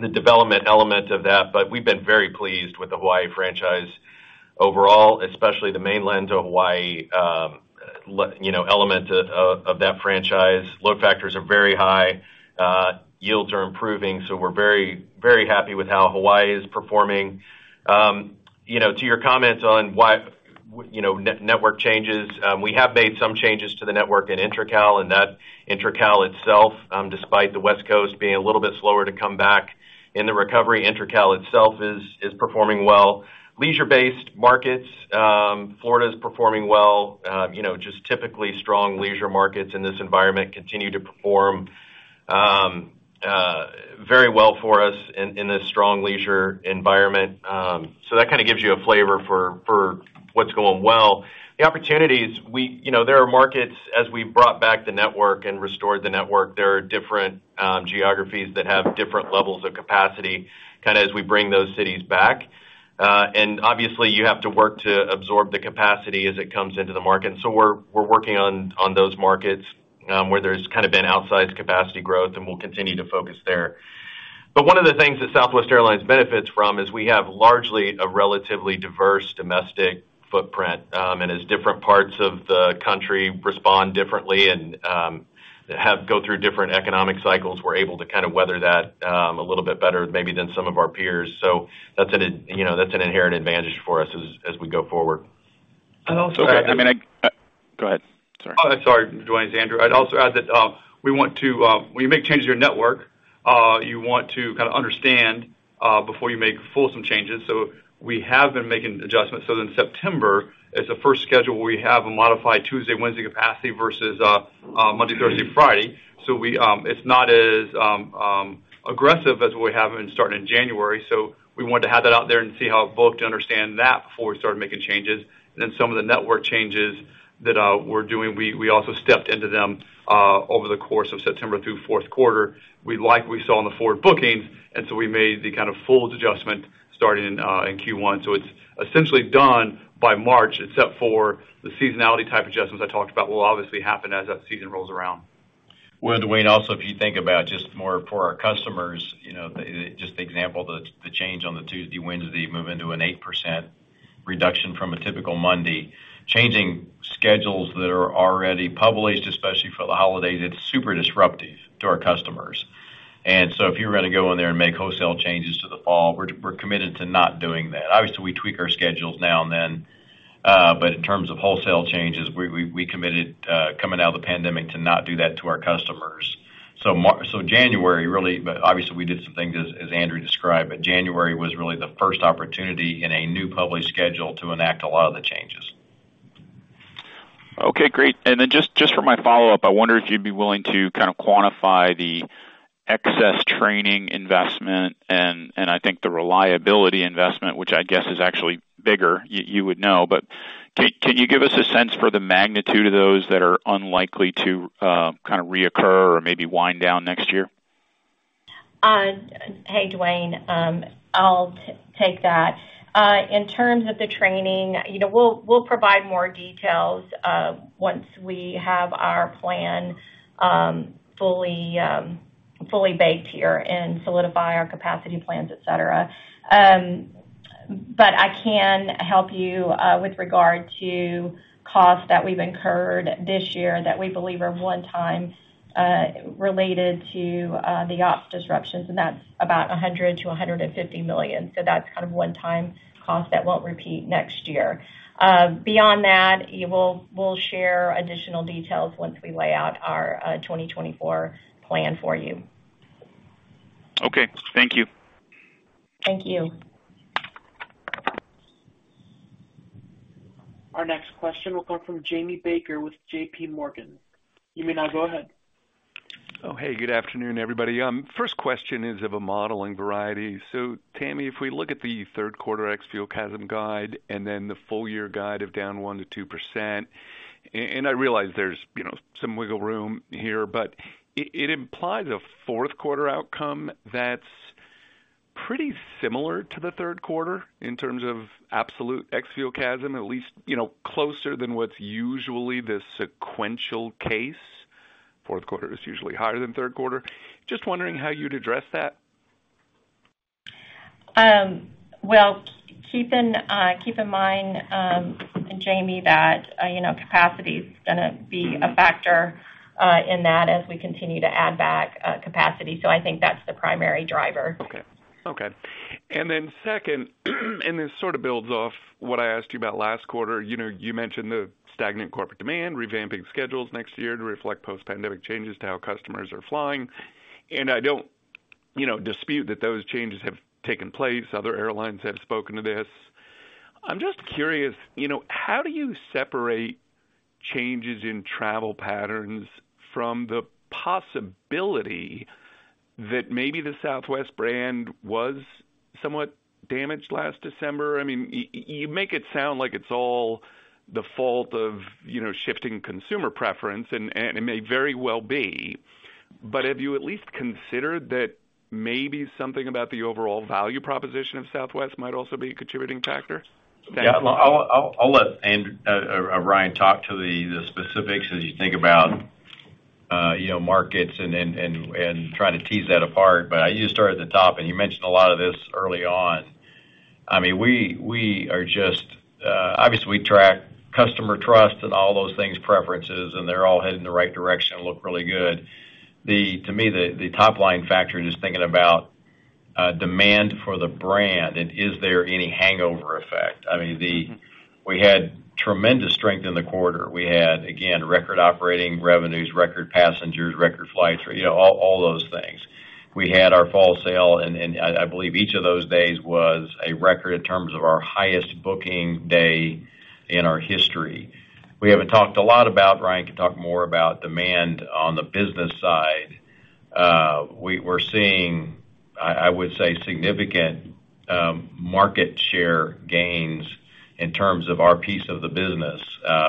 the development element of that, but we've been very pleased with the Hawaii franchise overall, especially the mainland to Hawaii, you know, element of that franchise. Load factors are very high, yields are improving, we're very happy with how Hawaii is performing. You know, to your comments on why, you know, network changes, we have made some changes to the network in Intra-Cal. That Intra-Cal itself, despite the West Coast being a little bit slower to come back in the recovery, Intra-Cal itself is performing well. Leisure-based markets, Florida is performing well. You know, just typically strong leisure markets in this environment continue to perform very well for us in, in this strong leisure environment. That kind of gives you a flavor for, for what's going well. The opportunities, you know, there are markets as we brought back the network and restored the network, there are different geographies that have different levels of capacity, kinda as we bring those cities back. Obviously, you have to work to absorb the capacity as it comes into the market. We're working on those markets, where there's kind of been outsized capacity growth, and we'll continue to focus there. One of the things that Southwest Airlines benefits from is we have largely a relatively diverse domestic footprint. As different parts of the country respond differently and go through different economic cycles, we're able to kind of weather that a little bit better maybe than some of our peers. That's an, you know, that's an inherent advantage for us as, as we go forward. I'd. Okay, I mean, Go ahead, sorry. Sorry, Duane, it's Andrew. I'd also add that we want to when you make changes to your network, you want to kind of understand before you make fulsome changes. We have been making adjustments. September is the first schedule where we have a modified Tuesday, Wednesday capacity versus Monday, Thursday, Friday. We, it's not as aggressive as what we have been starting in January. We wanted to have that out there and see how both to understand that before we started making changes. Some of the network changes that we're doing, we also stepped into them over the course of September through Q4. We like what we saw in the forward bookings, we made the kind of full adjustment starting in Q1. It's essentially done by March, except for the seasonality type adjustments I talked about, will obviously happen as that season rolls around. Well, Duane, also, if you think about just more for our customers, you know, just the example, the change on the Tuesday, Wednesday, move into an 8% reduction from a typical Monday. Changing schedules that are already published, especially for the holidays, it's super disruptive to our customers. If you were going to go in there and make wholesale changes to the fall, we're committed to not doing that. Obviously, we tweak our schedules now and then, but in terms of wholesale changes, we committed coming out of the pandemic to not do that to our customers. January, really, but obviously, we did some things, as Andrew described, but January was really the first opportunity in a new published schedule to enact a lot of the changes. Okay, great. Just for my follow-up, I wonder if you'd be willing to kind of quantify the excess training investment and I think the reliability investment, which I guess is actually bigger, you would know. Can you give us a sense for the magnitude of those that are unlikely to kind of reoccur or maybe wind down next year? Hey, Duane. I'll take that. In terms of the training, you know, we'll provide more details once we have our plan fully baked here and solidify our capacity plans, et cetera. I can help you with regard to costs that we've incurred this year that we believe are one-time related to the ops disruptions, and that's about $100 million-$150 million. That's kind of one-time cost that won't repeat next year. Beyond that, we'll share additional details once we lay out our 2024 plan for you. Okay, thank you. Thank you. Our next question will come from Jamie Baker with JP Morgan. You may now go ahead. Hey, good afternoon, everybody. First question is of a modeling variety. Tammy, if we look at the Q3 ex-fuel CASM guide and then the full year guide of down 1%-2%, and I realize there's, you know, some wiggle room here, but it implies a Q4 outcome that's pretty similar to the Q3 in terms of absolute ex-fuel CASM, at least, you know, closer than what's usually the sequential case. Q4 is usually higher than Q3. Just wondering how you'd address that? Well, keep in mind, Jamie, that, you know, capacity is gonna be a factor, in that as we continue to add back, capacity. I think that's the primary driver. Okay. Okay. Then second, this sort of builds off what I asked you about last quarter. You know, you mentioned the stagnant corporate demand, revamping schedules next year to reflect post-pandemic changes to how customers are flying. I don't, you know, dispute that those changes have taken place. Other airlines have spoken to this. I'm just curious, you know, how do you separate changes in travel patterns from the possibility that maybe the Southwest brand was somewhat damaged last December? I mean, you make it sound like it's all the fault of, you know, shifting consumer preference, it may very well be, but have you at least considered that maybe something about the overall value proposition of Southwest might also be a contributing factor? Yeah, I'll let Ryan talk to the specifics as you think about, you know, markets and trying to tease that apart. You start at the top, and you mentioned a lot of this early on. I mean, we are just. Obviously, we track customer trust and all those things, preferences, and they're all heading in the right direction and look really good. To me, the top-line factor is just thinking about demand for the brand, and is there any hangover effect? I mean. Mm-hmm. We had tremendous strength in the quarter. We had, again, record operating revenues, record passengers, record flights, you know, all those things. We had our fall sale, and I believe each of those days was a record in terms of our highest booking day in our history. We haven't talked a lot about, Ryan can talk more about demand on the business side. We're seeing, I would say, significant market share gains in terms of our piece of the business.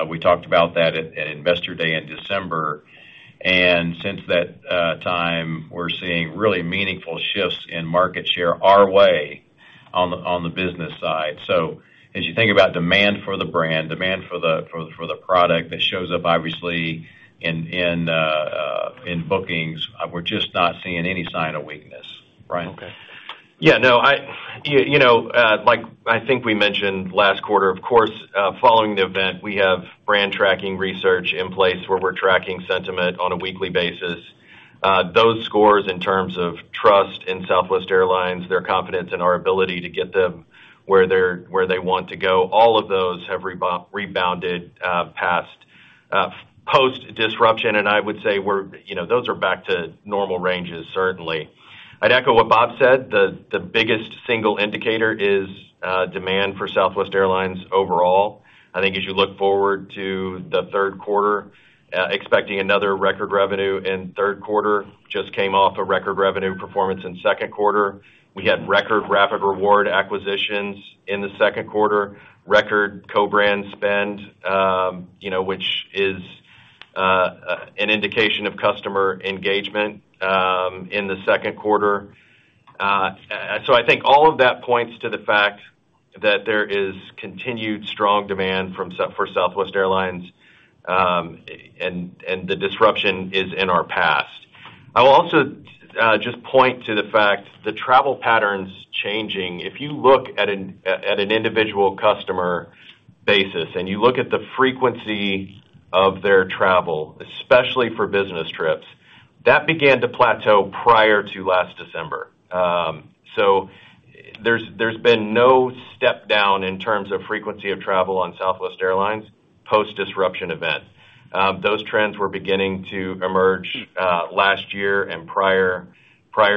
We talked about that at Investor Day in December, and since that time, we're seeing really meaningful shifts in market share our way on the business side. As you think about demand for the brand, demand for the product, that shows up obviously in bookings, we're just not seeing any sign of weakness. Ryan? You know, like I think we mentioned last quarter, of course, following the event, we have brand tracking research in place where we're tracking sentiment on a weekly basis. Those scores in terms of trust in Southwest Airlines, their confidence in our ability to get them where they want to go, all of those have rebounded past post-disruption. I would say we're, you know, those are back to normal ranges, certainly. I'd echo what Bob said, the biggest single indicator is demand for Southwest Airlines overall. I think as you look forward to the Q3, expecting another record revenue in Q3, just came off a record revenue performance in Q2. We had record Rapid Rewards acquisitions in the Q2, record co-brand spend, you know, which is an indication of customer engagement in the Q2. I think all of that points to the fact that there is continued strong demand for Southwest Airlines, and the disruption is in our past. I will also just point to the fact, the travel patterns changing. If you look at an individual customer basis, and you look at the frequency of their travel, especially for business trips, that began to plateau prior to last December. There's been no step down in terms of frequency of travel on Southwest Airlines, post-disruption event. Those trends were beginning to emerge last year and prior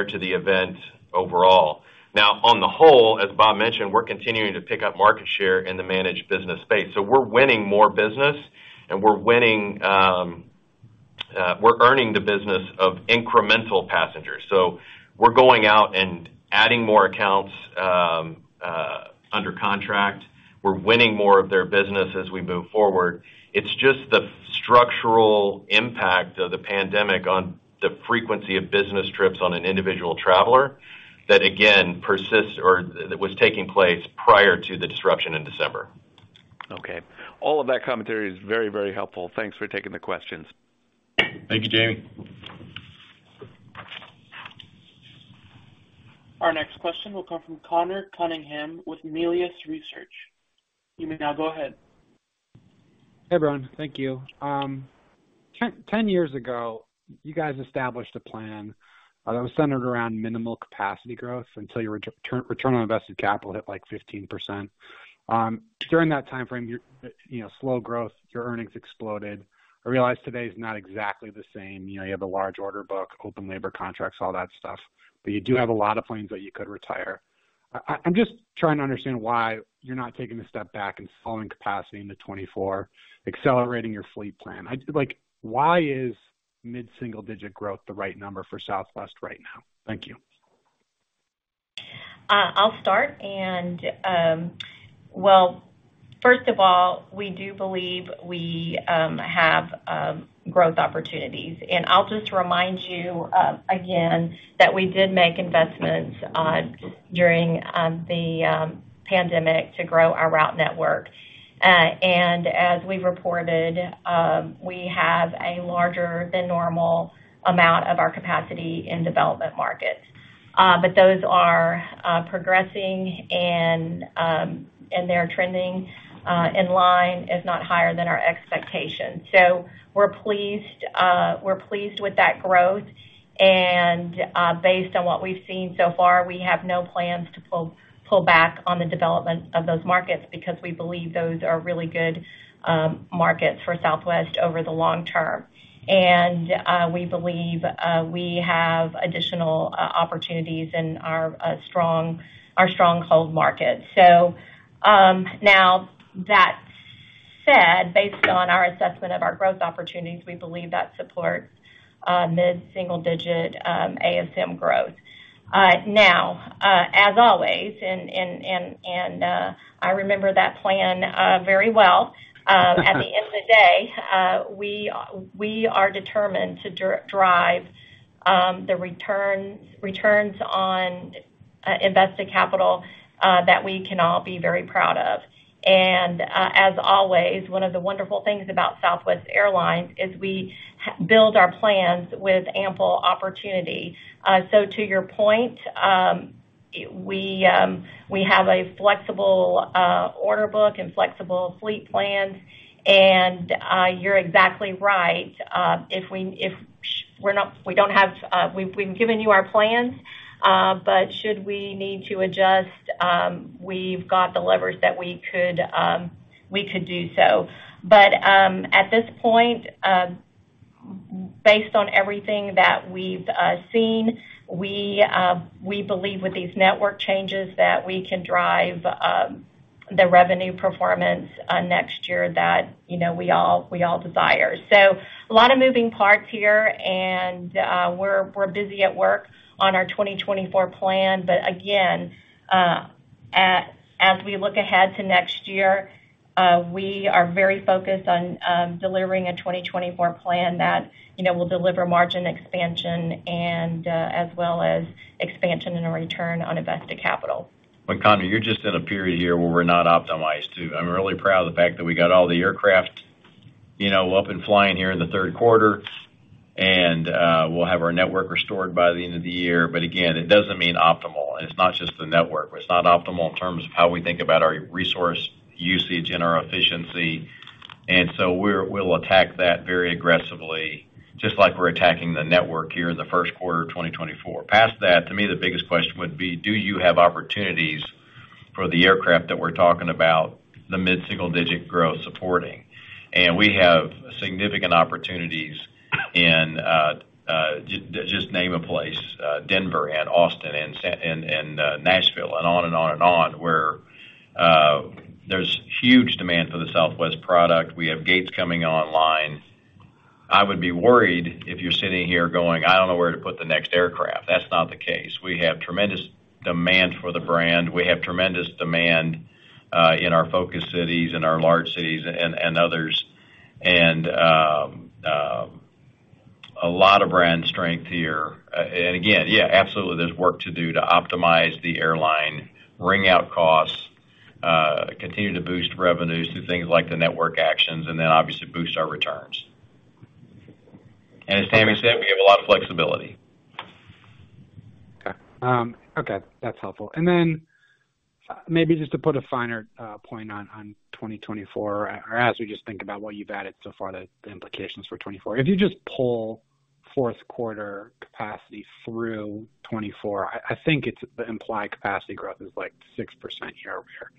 to the event overall. On the whole, as Bob mentioned, we're continuing to pick up market share in the managed business space. We're winning more business, and we're winning, we're earning the business of incremental passengers. We're going out and adding more accounts under contract. We're winning more of their business as we move forward. It's just the structural impact of the pandemic on the frequency of business trips on an individual traveler, that again, persists or that was taking place prior to the disruption in December. All of that commentary is very, very helpful. Thanks for taking the questions. Thank you, Jamie. Our next question will come from Conor Cunningham with Melius Research. You may now go ahead. Hey, everyone. Thank you. 10 years ago, you guys established a plan that was centered around minimal capacity growth until your return on invested capital hit, like, 15%. During that time frame, your, you know, slow growth, your earnings exploded. I realize today is not exactly the same. You know, you have a large order book, open labor contracts, all that stuff, but you do have a lot of planes that you could retire. I'm just trying to understand why you're not taking a step back and slowing capacity into 2024, accelerating your fleet plan. Like, why is mid-single digit growth the right number for Southwest right now? Thank you. I'll start. Well, first of all, we do believe we have growth opportunities. I'll just remind you again, that we did make investments during the pandemic to grow our route network. As we've reported, we have a larger than normal amount of our capacity in development markets. Those are progressing and they're trending in line, if not higher than our expectations. We're pleased, we're pleased with that growth, and based on what we've seen so far, we have no plans to pull back on the development of those markets, because we believe those are really good markets for Southwest over the long term. We believe we have additional opportunities in our strong hold markets. Now that said, based on our assessment of our growth opportunities, we believe that supports mid-single digit ASM growth. Now, as always, I remember that plan very well. At the end of the day, we are determined to drive the returns on invested capital that we can all be very proud of. As always, one of the wonderful things about Southwest Airlines is we build our plans with ample opportunity. To your point, we have a flexible order book and flexible fleet plan, and you're exactly right. We don't have, we've given you our plans, should we need to adjust, we've got the levers that we could, we could do so. At this point, based on everything that we've seen, we believe with these network changes, that we can drive the revenue performance next year that, you know, we all desire. A lot of moving parts here, and we're busy at work on our 2024 plan. Again, as we look ahead to next year, we are very focused on delivering a 2024 plan that, you know, will deliver margin expansion and as well as expansion and a return on invested capital. Conor, you're just in a period here where we're not optimized to. I'm really proud of the fact that we got all the aircraft, you know, up and flying here in the Q3, and we'll have our network restored by the end of the year. Again, it doesn't mean optimal. It's not just the network, but it's not optimal in terms of how we think about our resource usage and our efficiency. So we'll attack that very aggressively, just like we're attacking the network here in the Q1 of 2024. Past that, to me, the biggest question would be: Do you have opportunities for the aircraft that we're talking about, the mid-single-digit growth supporting? We have significant opportunities in just name a place, Denver and Austin and Nashville, and on and on and on, where there's huge demand for the Southwest product. We have gates coming online. I would be worried if you're sitting here going, "I don't know where to put the next aircraft." That's not the case. We have tremendous demand for the brand. We have tremendous demand in our focus cities, in our large cities and others, and a lot of brand strength here. Again, yeah, absolutely, there's work to do to optimize the airline, wring out costs, continue to boost revenues through things like the network actions, and then obviously boost our returns. As Tammy said, we have a lot of flexibility. Okay. Okay, that's helpful. Maybe just to put a finer point on 2024, or as we just think about what you've added so far, the implications for 2024. If you just pull Q4 capacity through 2024, I think it's, the implied capacity growth is 6% year-over-year.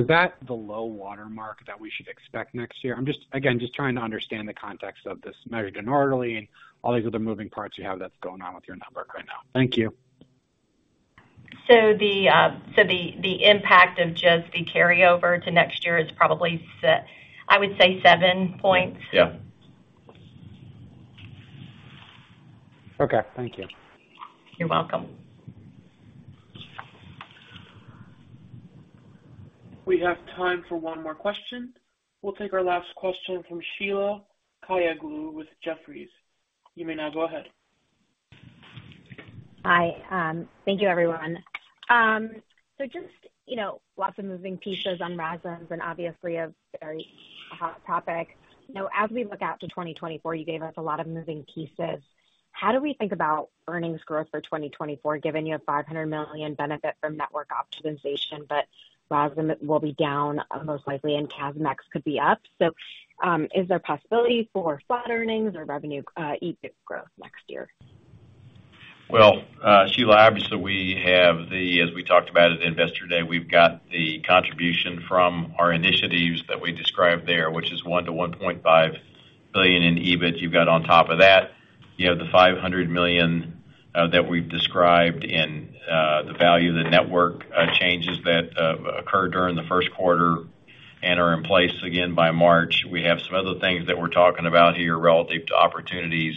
Is that the low water mark that we should expect next year? I'm just, again, just trying to understand the context of this American Ordinal and all these other moving parts you have that's going on with your network right now. Thank you. The impact of just the carryover to next year is probably I would say 7 points. Yeah. Okay, thank you. You're welcome. We have time for one more question. We'll take our last question from Sheila Kahyaoglu with Jefferies. You may now go ahead. Hi. thank you, everyone. just, you know, lots of moving pieces on RASMs and obviously a very hot topic. You know, as we look out to 2024, you gave us a lot of moving pieces. How do we think about earnings growth for 2024, given you have $500 million benefit from network optimization, but RASM will be down, most likely, and CASM could be up? Is there possibility for flat earnings or revenue, EBIT growth next year? Well, Sheila, obviously, we have the, as we talked about at Investor Day, we've got the contribution from our initiatives that we described there, which is $1 billion-$1.5 billion in EBIT. You've got on top of that, you have the $500 million that we've described in the value of the network changes that occurred during the Q1 and are in place again by March. We have some other things that we're talking about here relative to opportunities.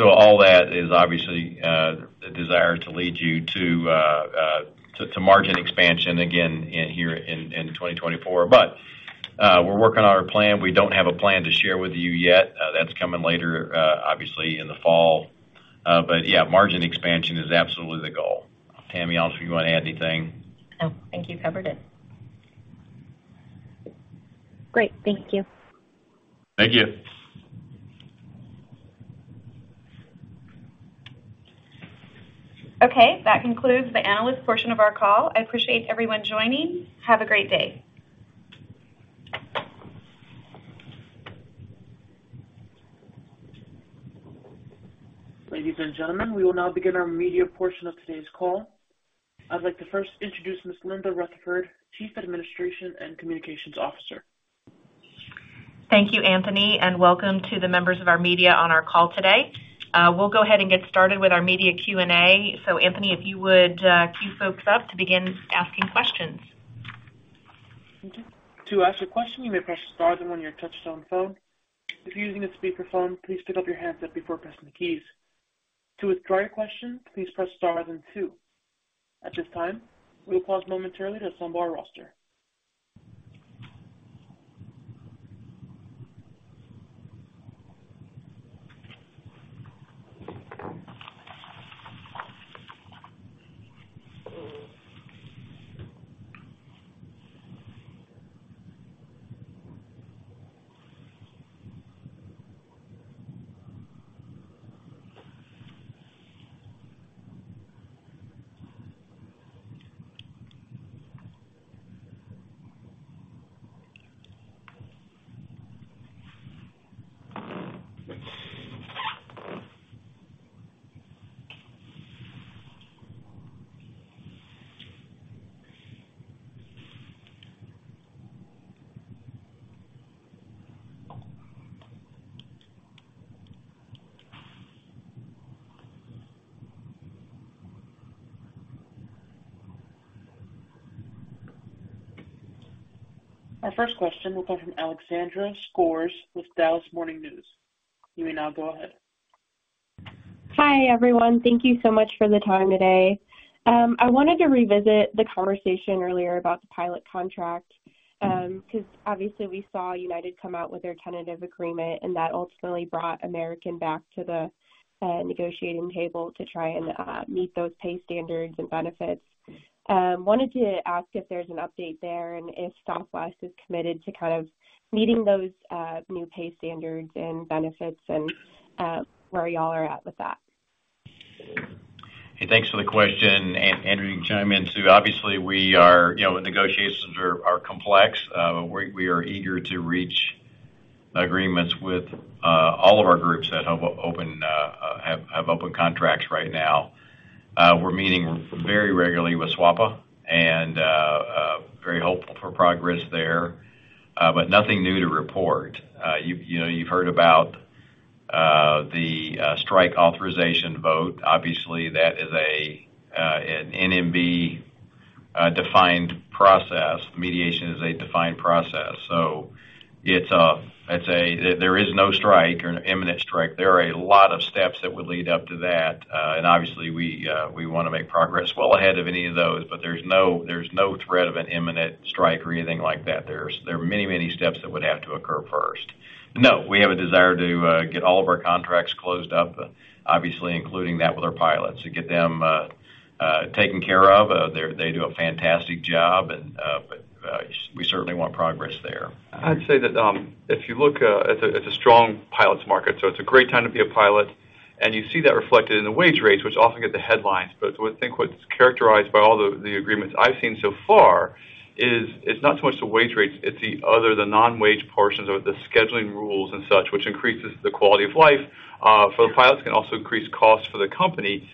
All that is obviously the desire to lead you to margin expansion again in here in 2024. We're working on our plan. We don't have a plan to share with you yet. That's coming later, obviously, in the fall. Yeah, margin expansion is absolutely the goal. Tammy, obviously, do you want to add anything? No. I think you covered it. Great. Thank you. Thank you. That concludes the analyst portion of our call. I appreciate everyone joining. Have a great day. Ladies and gentlemen, we will now begin our media portion of today's call. I'd like to first introduce Ms. Linda Rutherford, Chief Administration and Communications Officer. Thank you, Anthony, and welcome to the members of our media on our call today. We'll go ahead and get started with our media Q&A. Anthony, if you would, queue folks up to begin asking questions. Thank you. To ask a question, you may press star then 1 on your touch-tone phone. If you're using a speakerphone, please pick up your handset before pressing the keys. To withdraw your question, please press star then 2. At this time, we will pause momentarily to assemble our roster. Our first question will come from Alexandra Skores with The Dallas Morning News. You may now go ahead. Hi, everyone. Thank you so much for the time today. I wanted to revisit the conversation earlier about the pilot contract, because obviously we saw United come out with their tentative agreement, and that ultimately brought American back to the negotiating table to try and meet those pay standards and benefits. Wanted to ask if there's an update there and if Southwest is committed to kind of meeting those new pay standards and benefits and where y'all are at with that? Thanks for the question, Andrew, you can chime in, too. Obviously, we are, you know, negotiations are complex. We are eager to reach agreements with all of our groups that have open contracts right now. We're meeting very regularly with SWAPA and very hopeful for progress there, nothing new to report. You've, you know, you've heard about the strike authorization vote. Obviously, that is an NMB defined process. Mediation is a defined process. There is no strike or an imminent strike. There are a lot of steps that would lead up to that, and obviously, we, we want to make progress well ahead of any of those, but there's no, there's no threat of an imminent strike or anything like that. There are many, many steps that would have to occur first. No, we have a desire to get all of our contracts closed up, obviously, including that with our pilots, to get them, taken care of. They do a fantastic job, and, but, we certainly want progress there. I'd say that, if you look, it's a strong pilots' market, so it's a great time to be a pilot. You see that reflected in the wage rates, which often get the headlines. What I think is characterized by all the agreements I've seen so far is it's not so much the wage rates, it's the other non-wage portions or the scheduling rules and such, which increases the quality of life for the pilots, can also increase costs for the company.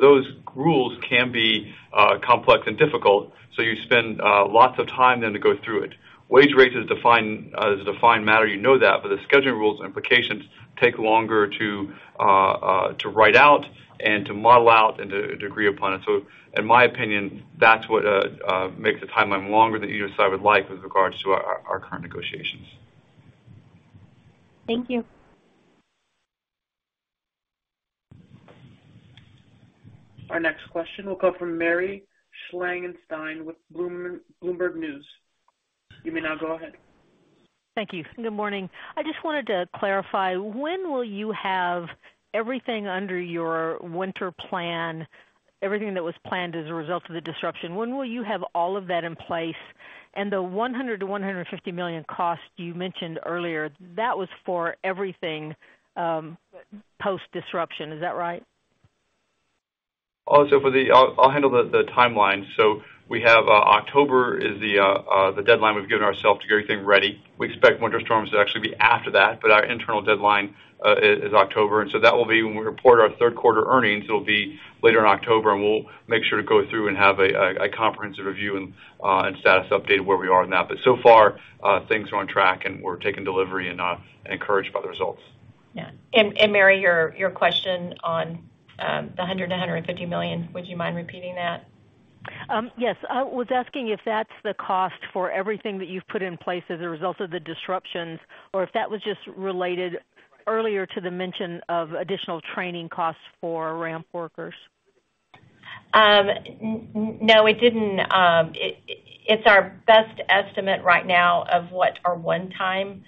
Those rules can be complex and difficult. You spend lots of time then to go through it. Wage rates is a defined matter, you know that, but the scheduling rules implications take longer to write out and to model out and to agree upon it. In my opinion, that's what makes the timeline longer than either side would like with regards to our current negotiations. Thank you. Our next question will come from Mary Schlangenstein with Bloomberg News. You may now go ahead. Thank you. Good morning. I just wanted to clarify, when will you have everything under your winter plan, everything that was planned as a result of the disruption, when will you have all of that in place? The $100 million-$150 million costs you mentioned earlier, that was for everything, post-disruption, is that right? I'll handle the timeline. We have October is the deadline we've given ourselves to get everything ready. We expect winter storms to actually be after that, but our internal deadline is October, and that will be when we report our Q3 earnings. It'll be later in October, and we'll make sure to go through and have a comprehensive review and status update of where we are on that. So far, things are on track, and we're taking delivery and encouraged by the results. Yeah. Mary, your question on, the $100 million-$150 million, would you mind repeating that? Yes. I was asking if that's the cost for everything that you've put in place as a result of the disruptions, or if that was just related earlier to the mention of additional training costs for ramp workers. No, it didn't. It's our best estimate right now of what our one-time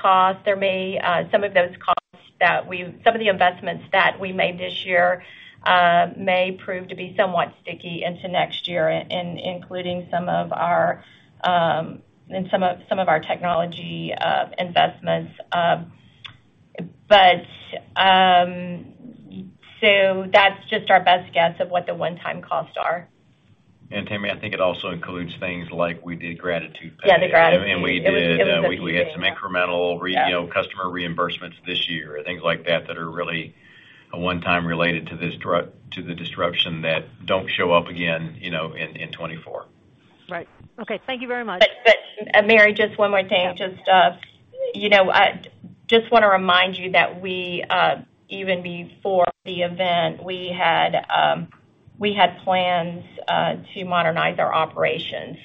cost. There may some of those costs that some of the investments that we made this year may prove to be somewhat sticky into next year, including some of our and some of our technology investments. That's just our best guess of what the one-time costs are. Tammy, I think it also includes things like we did gratitude pay. Yeah, the gratitude. We did. It was a huge thing. We had some incremental, you know, customer reimbursements this year, things like that, that are really a one-time related to the disruption that don't show up again, you know, in 2024. Right. Okay, thank you very much. Mary, just one more thing. Just, you know, just wanna remind you that we, even before the event, we had plans to modernize our operations.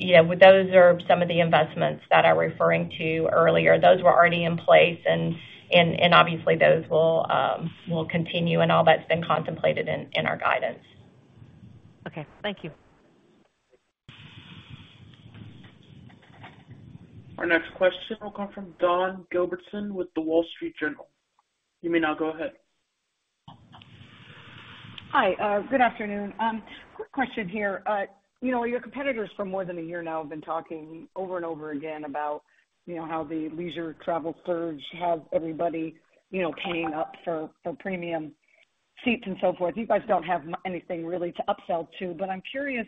You know, those are some of the investments that I referring to earlier. Those were already in place, and obviously, those will continue and all that's been contemplated in our guidance. Okay, thank you. Our next question will come from Dawn Gilbertson with The Wall Street Journal. You may now go ahead. Hi, good afternoon. Quick question here. You know, your competitors for more than a year now have been talking over and over again about, you know, how the leisure travel surge has everybody, you know, paying up for, for premium seats and so forth. You guys don't have anything really to upsell to, but I'm curious,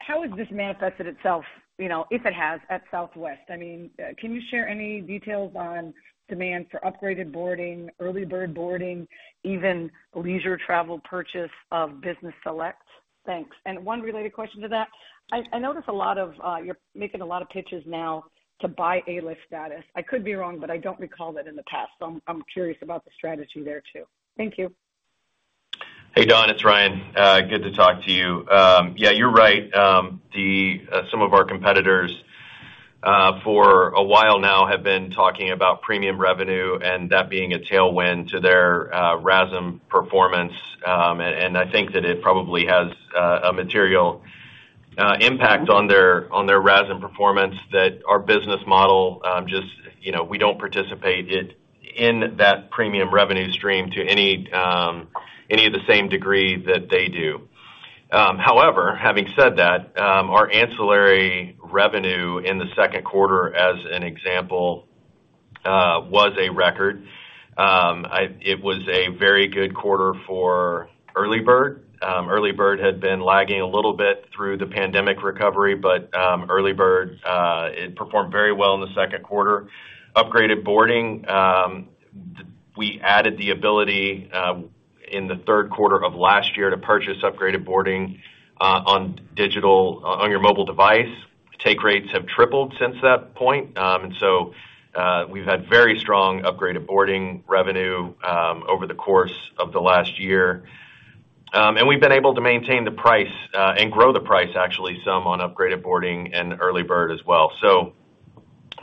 how has this manifested itself, you know, if it has, at Southwest? I mean, can you share any details on demand for Upgraded Boarding, EarlyBird boarding, even leisure travel purchase of Business Select? Thanks. And one related question to that: I, I notice a lot of, you're making a lot of pitches now to buy A-List status. I could be wrong, but I don't recall that in the past, so I'm, I'm curious about the strategy there, too. Thank you. Hey, Dawn, it's Ryan. Good to talk to you. Yeah, you're right. The some of our competitors, for a while now have been talking about premium revenue and that being a tailwind to their RASM performance. I think that it probably has a material impact on their RASM performance, that our business model, just, you know, we don't participate in that premium revenue stream to any of the same degree that they do. However, having said that, our ancillary revenue in the Q2, as an example, was a record. It was a very good quarter for EarlyBird Check-In. EarlyBird Check-In had been lagging a little bit through the pandemic recovery, but EarlyBird Check-In, it performed very well in the Q2. Upgraded Boarding, we added the ability in the Q3 of last year to purchase Upgraded Boarding on digital, on your mobile device. Take rates have tripled since that point. We've had very strong Upgraded Boarding revenue over the course of the last year. We've been able to maintain the price and grow the price, actually, some on Upgraded Boarding and EarlyBird Check-In as well.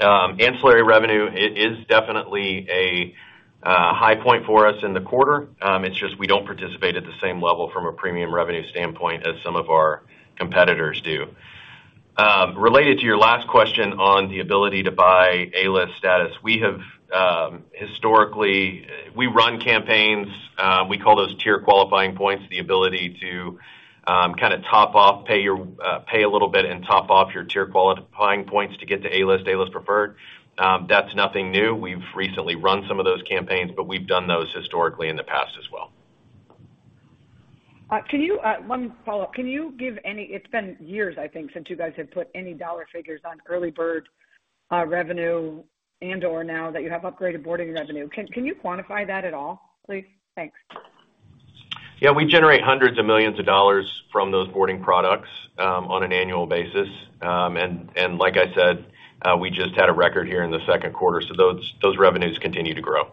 Ancillary revenue is definitely a high point for us in the quarter. It's just we don't participate at the same level from a premium revenue standpoint as some of our competitors do. Related to your last question on the ability to buy A-List status, we have historically... We run campaigns, we call those Tier Qualifying Points, the ability to, kind of top off, pay your, pay a little bit and top off your Tier Qualifying Points to get to A-List, A-List Preferred. That's nothing new. We've recently run some of those campaigns, we've done those historically in the past as well. Can you, one follow-up, can you give any. It's been years, I think, since you guys have put any dollar figures on EarlyBird Check-In revenue and/or now that you have Upgraded Boarding revenue. Can you quantify that at all, please? Thanks. Yeah, we generate hundreds of millions of dollars from those boarding products, on an annual basis. Like I said, we just had a record here in the Q2, so those revenues continue to grow.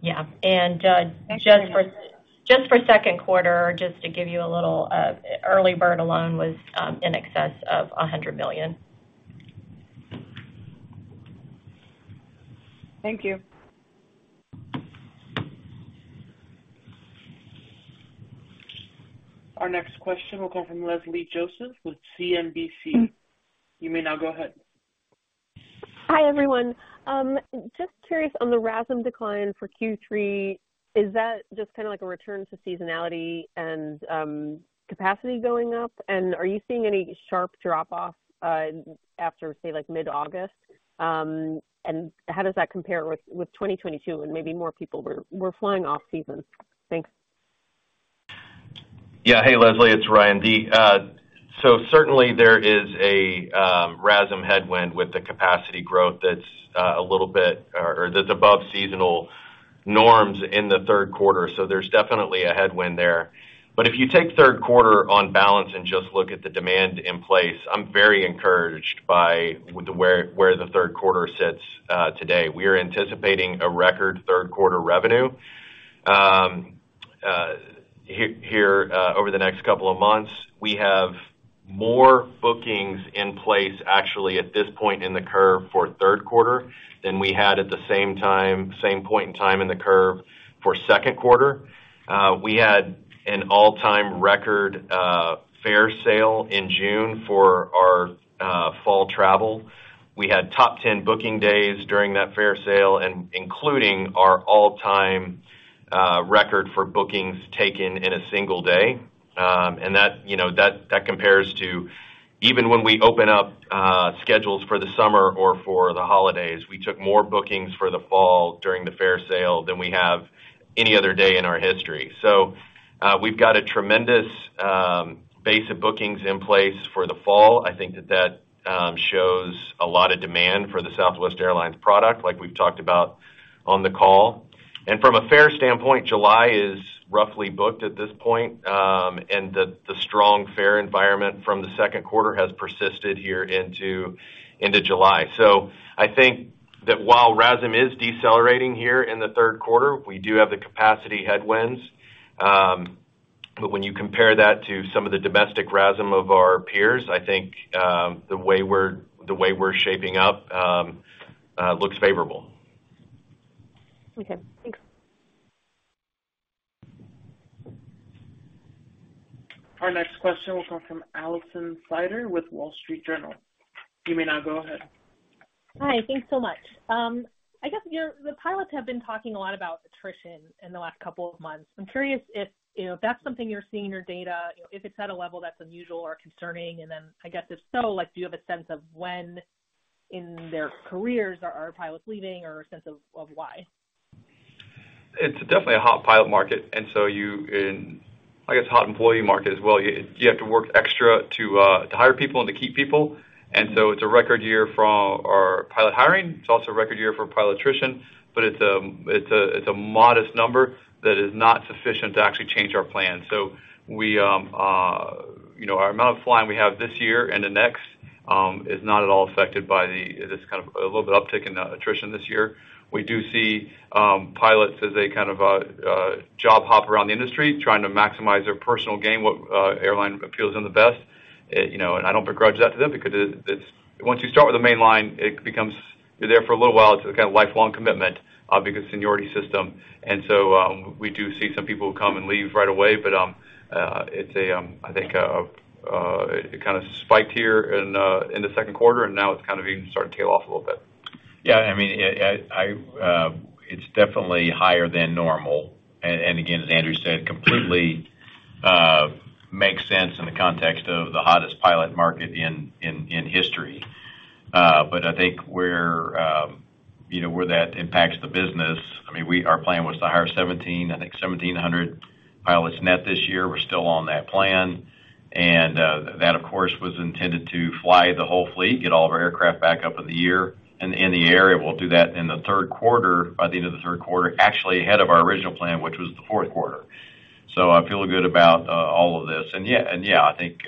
Yeah. Just for Q2, just to give you a little, EarlyBird Check-In alone was in excess of $100 million. Thank you. Our next question will come from Leslie Josephs with CNBC. You may now go ahead. Hi, everyone. Just curious on the RASM decline for Q3, is that just kinda like a return to seasonality and capacity going up? Are you seeing any sharp drop off after, say, like mid-August? How does that compare with 2022, when maybe more people were flying off season? Thanks. Hey, Leslie, it's Ryan. Certainly there is a RASM headwind with the capacity growth that's a little bit, or that's above seasonal norms in the Q3, so there's definitely a headwind there. If you take Q3 on balance and just look at the demand in place, I'm very encouraged by where the Q3 sits today. We are anticipating a record Q3 revenue. Over the next couple of months, we have more bookings in place, actually, at this point in the curve for Q3 than we had at the same point in time in the curve for Q2. We had an all-time record fare sale in June for our fall travel. We had top 10 booking days during that fare sale and including our all-time record for bookings taken in a single day. That, you know, that compares to even when we open up schedules for the summer or for the holidays, we took more bookings for the fall during the fare sale than we have any other day in our history. We've got a tremendous base of bookings in place for the fall. I think that that shows a lot of demand for the Southwest Airlines product, like we've talked about on the call. From a fare standpoint, July is roughly booked at this point, and the strong fare environment from the Q2 has persisted here into July. I think that while RASM is decelerating here in the Q3, we do have the capacity headwinds. When you compare that to some of the domestic RASM of our peers, I think, the way we're shaping up, looks favorable. Okay, thanks. Our next question will come from Alison Sider with Wall Street Journal. You may now go ahead. Hi, thanks so much. I guess the pilots have been talking a lot about attrition in the last couple of months. I'm curious if, you know, if that's something you're seeing in your data, if it's at a level that's unusual or concerning, I guess, if so, like, do you have a sense of when in their careers are pilots leaving or a sense of why? It's definitely a hot pilot market, and so you, and I guess, hot employee market as well. You have to work extra to hire people and to keep people. It's a record year for our pilot hiring. It's also a record year for pilot attrition, but it's a modest number that is not sufficient to actually change our plan. We, you know, our amount of flying we have this year and the next-... is not at all affected by the, this kind of a little bit uptick in attrition this year. We do see pilots as a kind of a job hop around the industry, trying to maximize their personal gain, what airline appeals them the best. You know, I don't begrudge that to them because it's once you start with the mainline, it becomes, you're there for a little while, it's a kind of lifelong commitment because seniority system. We do see some people come and leave right away, but it's a, I think, it kind of spiked here in the Q2, and now it's kind of even started to tail off a little bit. I mean, it's definitely higher than normal. Again, as Andrew said, completely makes sense in the context of the hottest pilot market in history. I think where, you know, where that impacts the business, I mean, our plan was to hire 1,700 pilots net this year. We're still on that plan, that, of course, was intended to fly the whole fleet, get all of our aircraft back up in the year and in the air. We'll do that in the Q3, by the end of the Q3, actually ahead of our original plan, which was the Q4. I feel good about all of this. Yeah, and yeah, I think,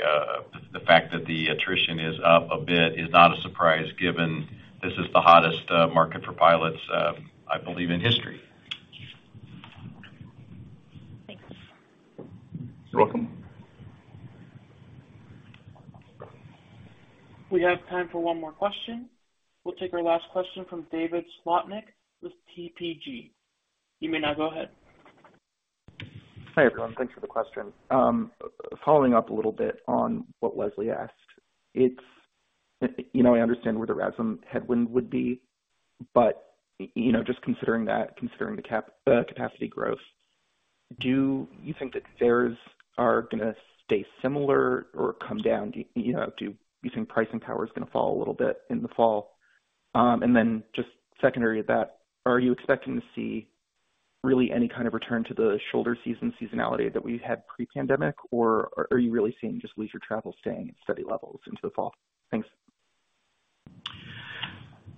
the fact that the attrition is up a bit is not a surprise, given this is the hottest market for pilots, I believe, in history. Thanks. You're welcome. We have time for one more question. We'll take our last question from David Slotnick with TPG. You may now go ahead. Hi, everyone. Thanks for the question. Following up a little bit on what Leslie asked, it's, you know, I understand where the RASM headwind would be, but, you know, just considering that, considering the capacity growth, do you think that fares are gonna stay similar or come down? Do you think pricing power is gonna fall a little bit in the fall? Just secondary to that, are you expecting to see really any kind of return to the shoulder season seasonality that we had pre-pandemic, or are you really seeing just leisure travel staying at steady levels into the fall? Thanks.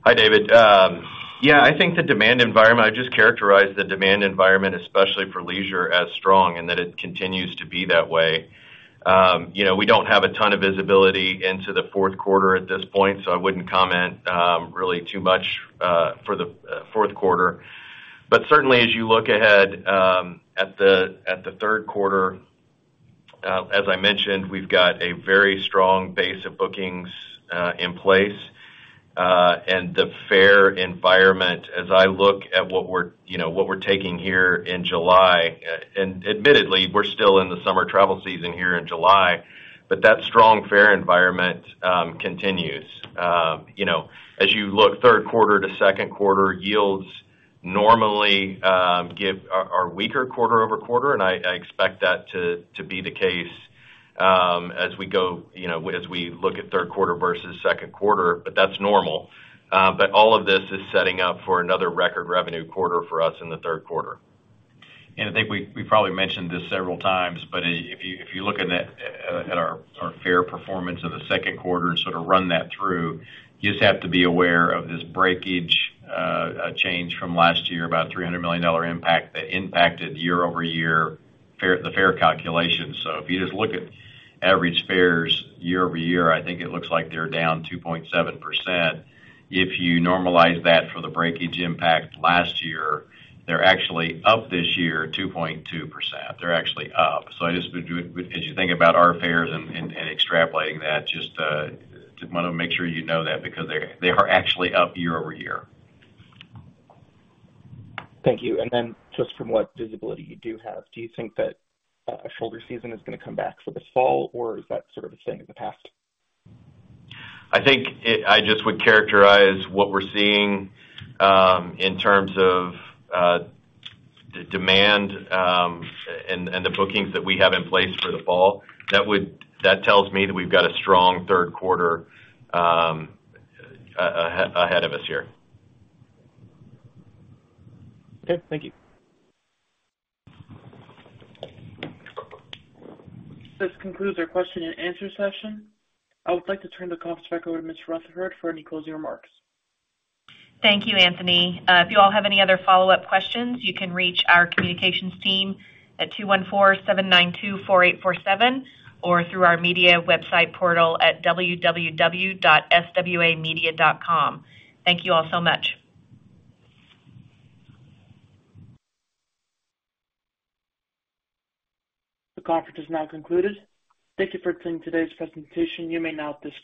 Hi, David. Yeah, I just characterized the demand environment, especially for leisure, as strong, and that it continues to be that way. You know, we don't have a ton of visibility into the Q4 at this point, so I wouldn't comment really too much for the Q4. Certainly, as you look ahead at the Q3, as I mentioned, we've got a very strong base of bookings in place, and the fare environment, as I look at what we're, you know, what we're taking here in July, and admittedly, we're still in the summer travel season here in July, but that strong fare environment continues. You know, as you look Q3 to Q2, yields normally give... are weaker quarter-over-quarter, and I expect that to be the case, as we go, you know, as we look at Q3 versus Q2, but that's normal. All of this is setting up for another record revenue quarter for us in the Q3. I think we probably mentioned this several times, but if you look at our fare performance in the Q2 and sort of run that through, you just have to be aware of this breakage change from last year, about $300 million impact, that impacted year-over-year fare, the fare calculation. If you just look at average fares year-over-year, I think it looks like they're down 2.7%. If you normalize that for the breakage impact last year, they're actually up this year, 2.2%. They're actually up. I just would do it, as you think about our fares and extrapolating that, just wanna make sure you know that, because they are actually up year-over-year. Thank you. Just from what visibility you do have, do you think that shoulder season is going to come back for this fall, or is that sort of a thing in the past? I just would characterize what we're seeing, in terms of, the demand, and the bookings that we have in place for the fall, that tells me that we've got a strong Q3, ahead of us here. Okay, thank you. This concludes our question and answer session. I would like to turn the conference back over to Ms. Rutherford for any closing remarks. Thank you, Anthony. If you all have any other follow-up questions, you can reach our communications team at 214-792-4847, or through our media website portal at www.swamedia.com. Thank you all so much. The conference is now concluded. Thank you for attending today's presentation. You may now disconnect.